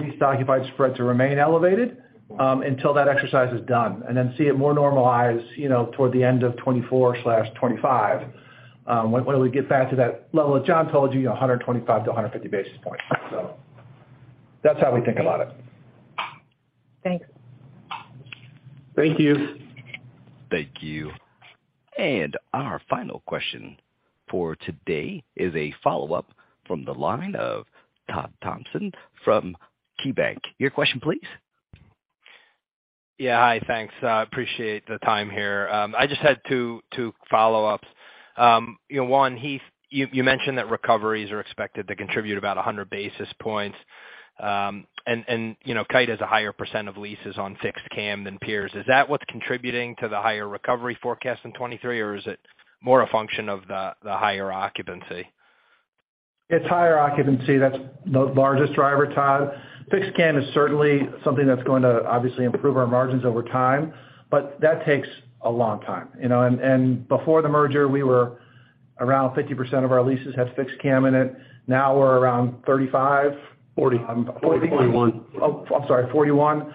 leased occupied spread to remain elevated until that exercise is done and then see it more normalized, you know, toward the end of 2024-2025, when we get back to that level John told you know, 125 to 150 basis points. That's how we think about it. Thanks. Thank you. Thank you. Our final question for today is a follow-up from the line of Todd Thomas from KeyBanc. Your question, please. Yeah. Hi, thanks. I appreciate the time here. I just had two follow-ups. You know, one, Heath, you mentioned that recoveries are expected to contribute about 100 basis points. You know, Kite has a higher % of leases on fixed CAM than peers. Is that what's contributing to the higher recovery forecast in 2023, or is it more a function of the higher occupancy? It's higher occupancy, that's the largest driver, Todd. Fixed CAM is certainly something that's going to obviously improve our margins over time, that takes a long time, you know. Before the merger, we were around 50% of our leases had fixed CAM in it. Now we're around 35- 40. Um,40- 41. Oh, I'm sorry, 41. You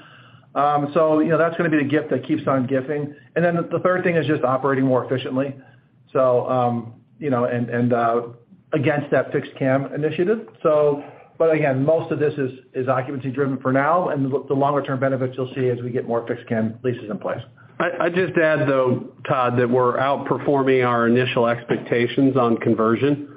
know, that's gonna be the gift that keeps on gifting. The third thing is just operating more efficiently. You know, and, against that fixed CAM initiative. Again, most of this is occupancy driven for now, and the longer term benefits you'll see as we get more fixed CAM leases in place. I just add though, Todd, that we're outperforming our initial expectations on conversion.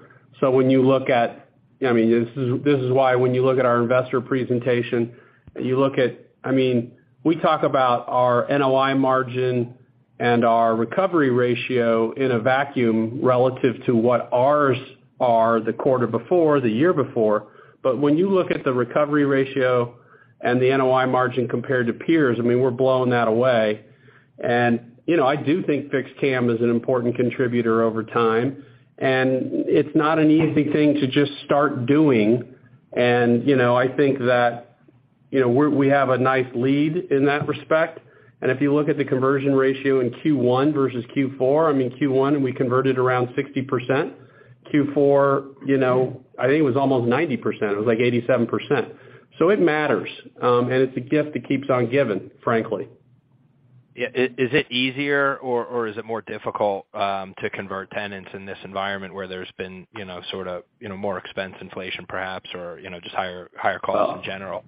When you look at, I mean, this is, this is why when you look at our investor presentation, you look at, I mean, we talk about our NOI margin and our recovery ratio in a vacuum relative to what ours are the quarter before, the year before. When you look at the recovery ratio and the NOI margin compared to peers, I mean, we're blowing that away. You know, I do think fixed CAM is an important contributor over time, and it's not an easy thing to just start doing. You know, I think that, you know, we have a nice lead in that respect. If you look at the conversion ratio in Q1 versus Q4, I mean, Q1, we converted around 60%. Q4, you know, I think it was almost 90%. It was like 87%. It matters, and it's a gift that keeps on giving, frankly. Yeah. Is it easier or is it more difficult to convert tenants in this environment where there's been, you know, sorta, you know, more expense inflation perhaps or, you know, just higher costs in general?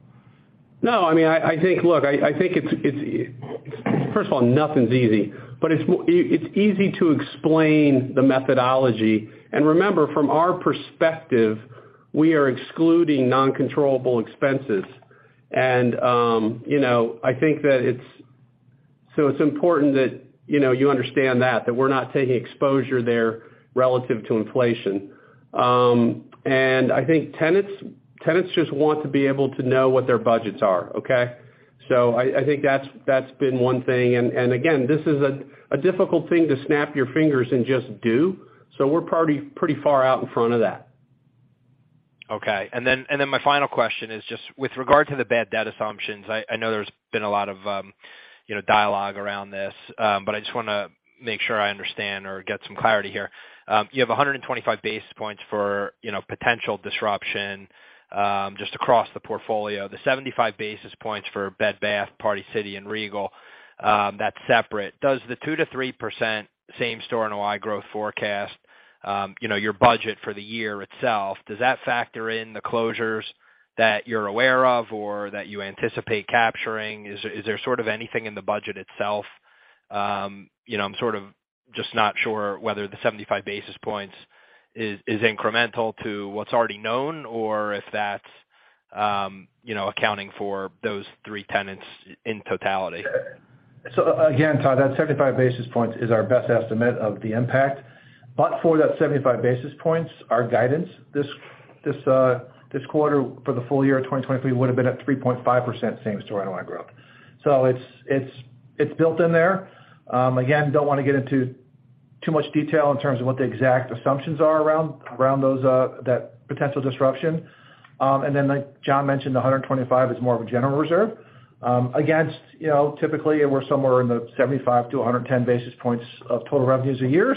No. I mean, I think. Look, I think it's easy to explain the methodology. First of all, nothing's easy, but it's easy to explain the methodology. Remember, from our perspective, we are excluding non-controllable expenses. You know, I think that it's. It's important that, you know, you understand that we're not taking exposure there relative to inflation. I think tenants just want to be able to know what their budgets are, okay? I think that's been one thing. Again, this is a difficult thing to snap your fingers and just do, so we're pretty far out in front of that. Okay. My final question is just with regard to the bad debt assumptions, I know there's been a lot of, you know, dialogue around this, but I just wanna make sure I understand or get some clarity here. You have 125 basis points for, you know, potential disruption, just across the portfolio. The 75 basis points for Bed Bath, Party City and Regal, that's separate. Does the 2%-3% same-store NOI growth forecast, you know, your budget for the year itself, does that factor in the closures that you're aware of or that you anticipate capturing? Is there sort of anything in the budget itself? You know, I'm sort of just not sure whether the 75 basis points is incremental to what's already known or if that's, you know, accounting for those three tenants in totality. Again, Todd, that 75 basis points is our best estimate of the impact. For that 75 basis points, our guidance this quarter for the full year of 2023 would've been at 3.5% same-store NOI growth. It's, it's built in there. Again, don't wanna get into too much detail in terms of what the exact assumptions are around those, that potential disruption. And then like John mentioned, the 125 is more of a general reserve against, you know, typically, and we're somewhere in the 75-110 basis points of total revenues a year.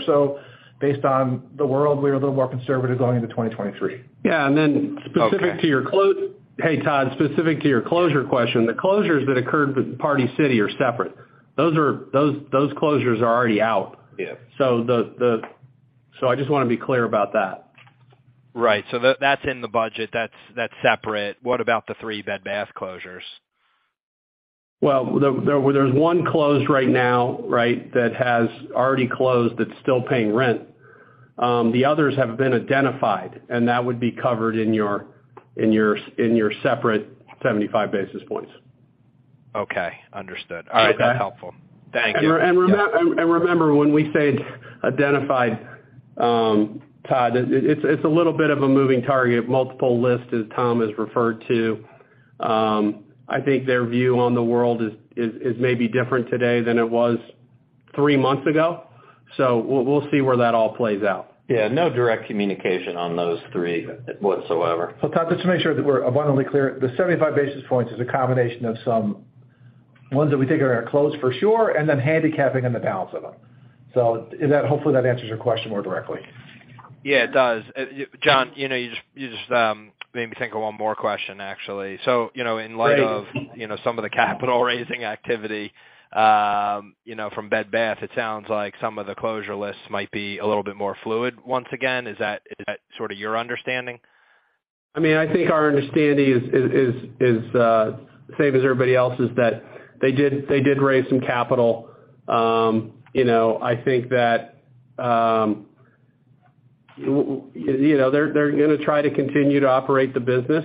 Based on the world, we are a little more conservative going into 2023. Yeah. Okay. Hey, Todd, specific to your closure question, the closures that occurred with Party City are separate. Those closures are already out. Yeah. I just wanna be clear about that. Right. That, that's in the budget. That's, that's separate. What about the three Bed Bath closures? Well, there was one closed right now, right? That has already closed that's still paying rent. The others have been identified, and that would be covered in your separate 75 basis points. Okay. Understood. Is that All right. That's helpful. Thank you. Remember, when we say identified, Todd, it's a little bit of a moving target. Multiple lists as Tom has referred to. I think their view on the world is maybe different today than it was three months ago. We'll see where that all plays out. Yeah. No direct communication on those three whatsoever. Todd, just to make sure that we're abundantly clear, the 75 basis points is a combination of some ones that we think are gonna close for sure, and then handicapping on the balance of them. hopefully that answers your question more directly. Yeah. It does. John, you know, you just made me think of one more question, actually. you know, in light of-. Great... you know, some of the capital raising activity, you know, from Bed Bath, it sounds like some of the closure lists might be a little bit more fluid once again. Is that sort of your understanding? I mean, I think our understanding is same as everybody else's, that they did raise some capital. You know, I think that, you know, they're gonna try to continue to operate the business.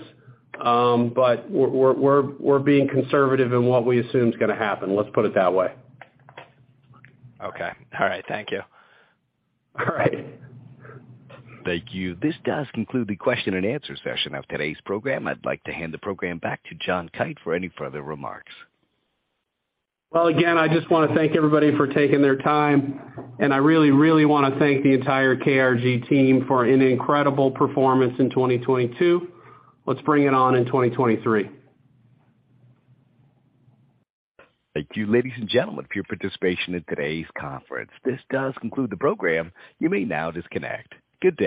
We're being conservative in what we assume is gonna happen, let's put it that way. Okay. All right. Thank you. All right. Thank you. This does conclude the question and answer session of today's program. I'd like to hand the program back to John Kite for any further remarks. Well, again, I just wanna thank everybody for taking their time, and I really, really wanna thank the entire KRG team for an incredible performance in 2022. Let's bring it on in 2023. Thank you, ladies and gentlemen, for your participation in today's conference. This does conclude the program. You may now disconnect. Good day.